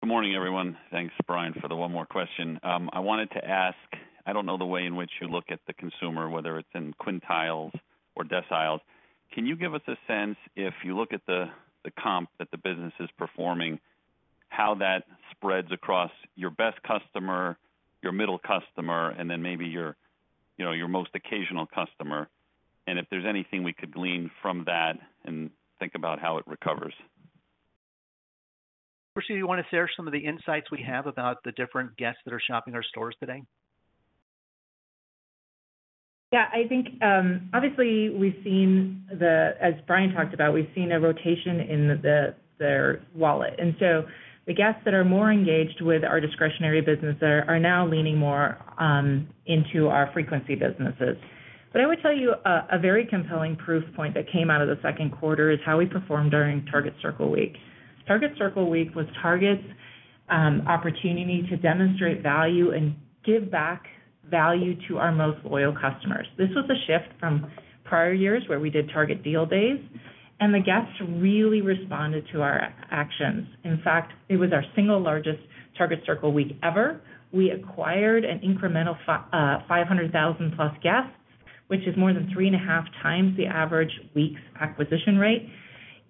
Good morning, everyone. Thanks, Brian, for the one more question. I wanted to ask, I don't know the way in which you look at the consumer, whether it's in quintiles or deciles. Can you give us a sense, if you look at the, the comp that the business is performing, how that spreads across your best customer, your middle customer, and then maybe your, you know, your most occasional customer, and if there's anything we could glean from that and think about how it recovers? Christina, you want to share some of the insights we have about the different guests that are shopping our stores today? Yeah, I think, obviously, we've seen as Brian talked about, we've seen a rotation in the wallet. The guests that are more engaged with our discretionary business are now leaning more into our frequency businesses. I would tell you a very compelling proof point that came out of the Second Quarter is how we performed during Target Circle Week. Target Circle Week was Target's- opportunity to demonstrate value and give back value to our most loyal customers. This was a shift from prior years where we did Target Deal Days, and the guests really responded to our actions. In fact, it was our single largest Target Circle Week ever. We acquired an incremental 500,000+ guests, which is more than 3.5x the average week's acquisition rate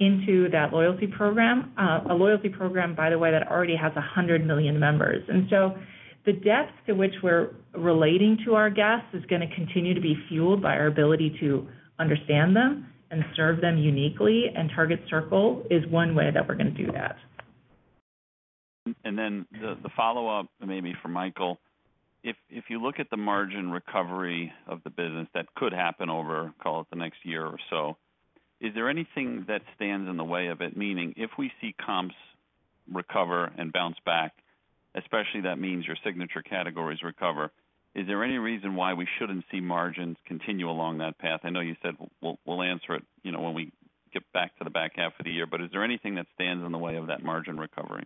into that loyalty program. A loyalty program, by the way, that already has 100 million members. So the depth to which we're relating to our guests is gonna continue to be fueled by our ability to understand them and serve them uniquely, and Target Circle is one way that we're gonna do that. The, the follow-up, maybe for Michael, if, if you look at the margin recovery of the business, that could happen over, call it, the next year or so, is there anything that stands in the way of it? Meaning, if we see comps recover and bounce back, especially that means your signature categories recover, is there any reason why we shouldn't see margins continue along that path? I know you said we'll, we'll answer it, you know, when we get back to the back half of the year, but is there anything that stands in the way of that margin recovery?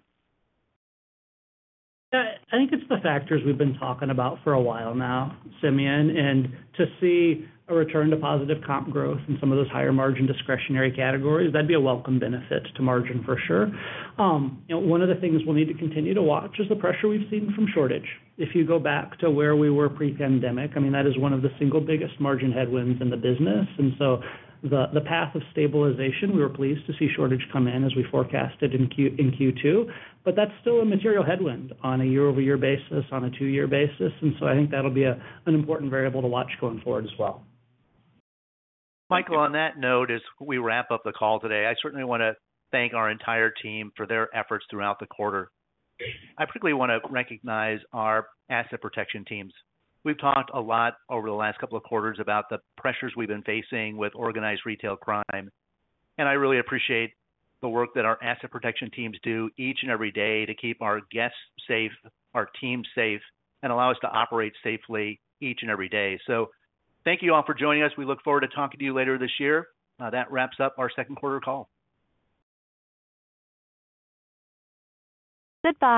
I think it's the factors we've been talking about for a while now, Simeon, and to see a return to positive comp growth in some of those higher margin discretionary categories, that'd be a welcome benefit to margin, for sure. One of the things we'll need to continue to watch is the pressure we've seen from shrink. If you go back to where we were pre-pandemic, I mean, that is one of the single biggest margin headwinds in the business. The path of stabilization, we were pleased to see shrink come in as we forecasted in Q2, but that's still a material headwind on a year-over-year basis, on a two-year basis. I think that'll be an important variable to watch going forward as well. Michael, on that note, as we wrap up the call today, I certainly want to thank our entire team for their efforts throughout the quarter. I particularly want to recognize our asset protection teams. We've talked a lot over the last couple of quarters about the pressures we've been facing with organized retail crime, and I really appreciate the work that our asset protection teams do each and every day to keep our guests safe, our teams safe, and allow us to operate safely each and every day. Thank you all for joining us. We look forward to talking to you later this year. That wraps up our second quarter call.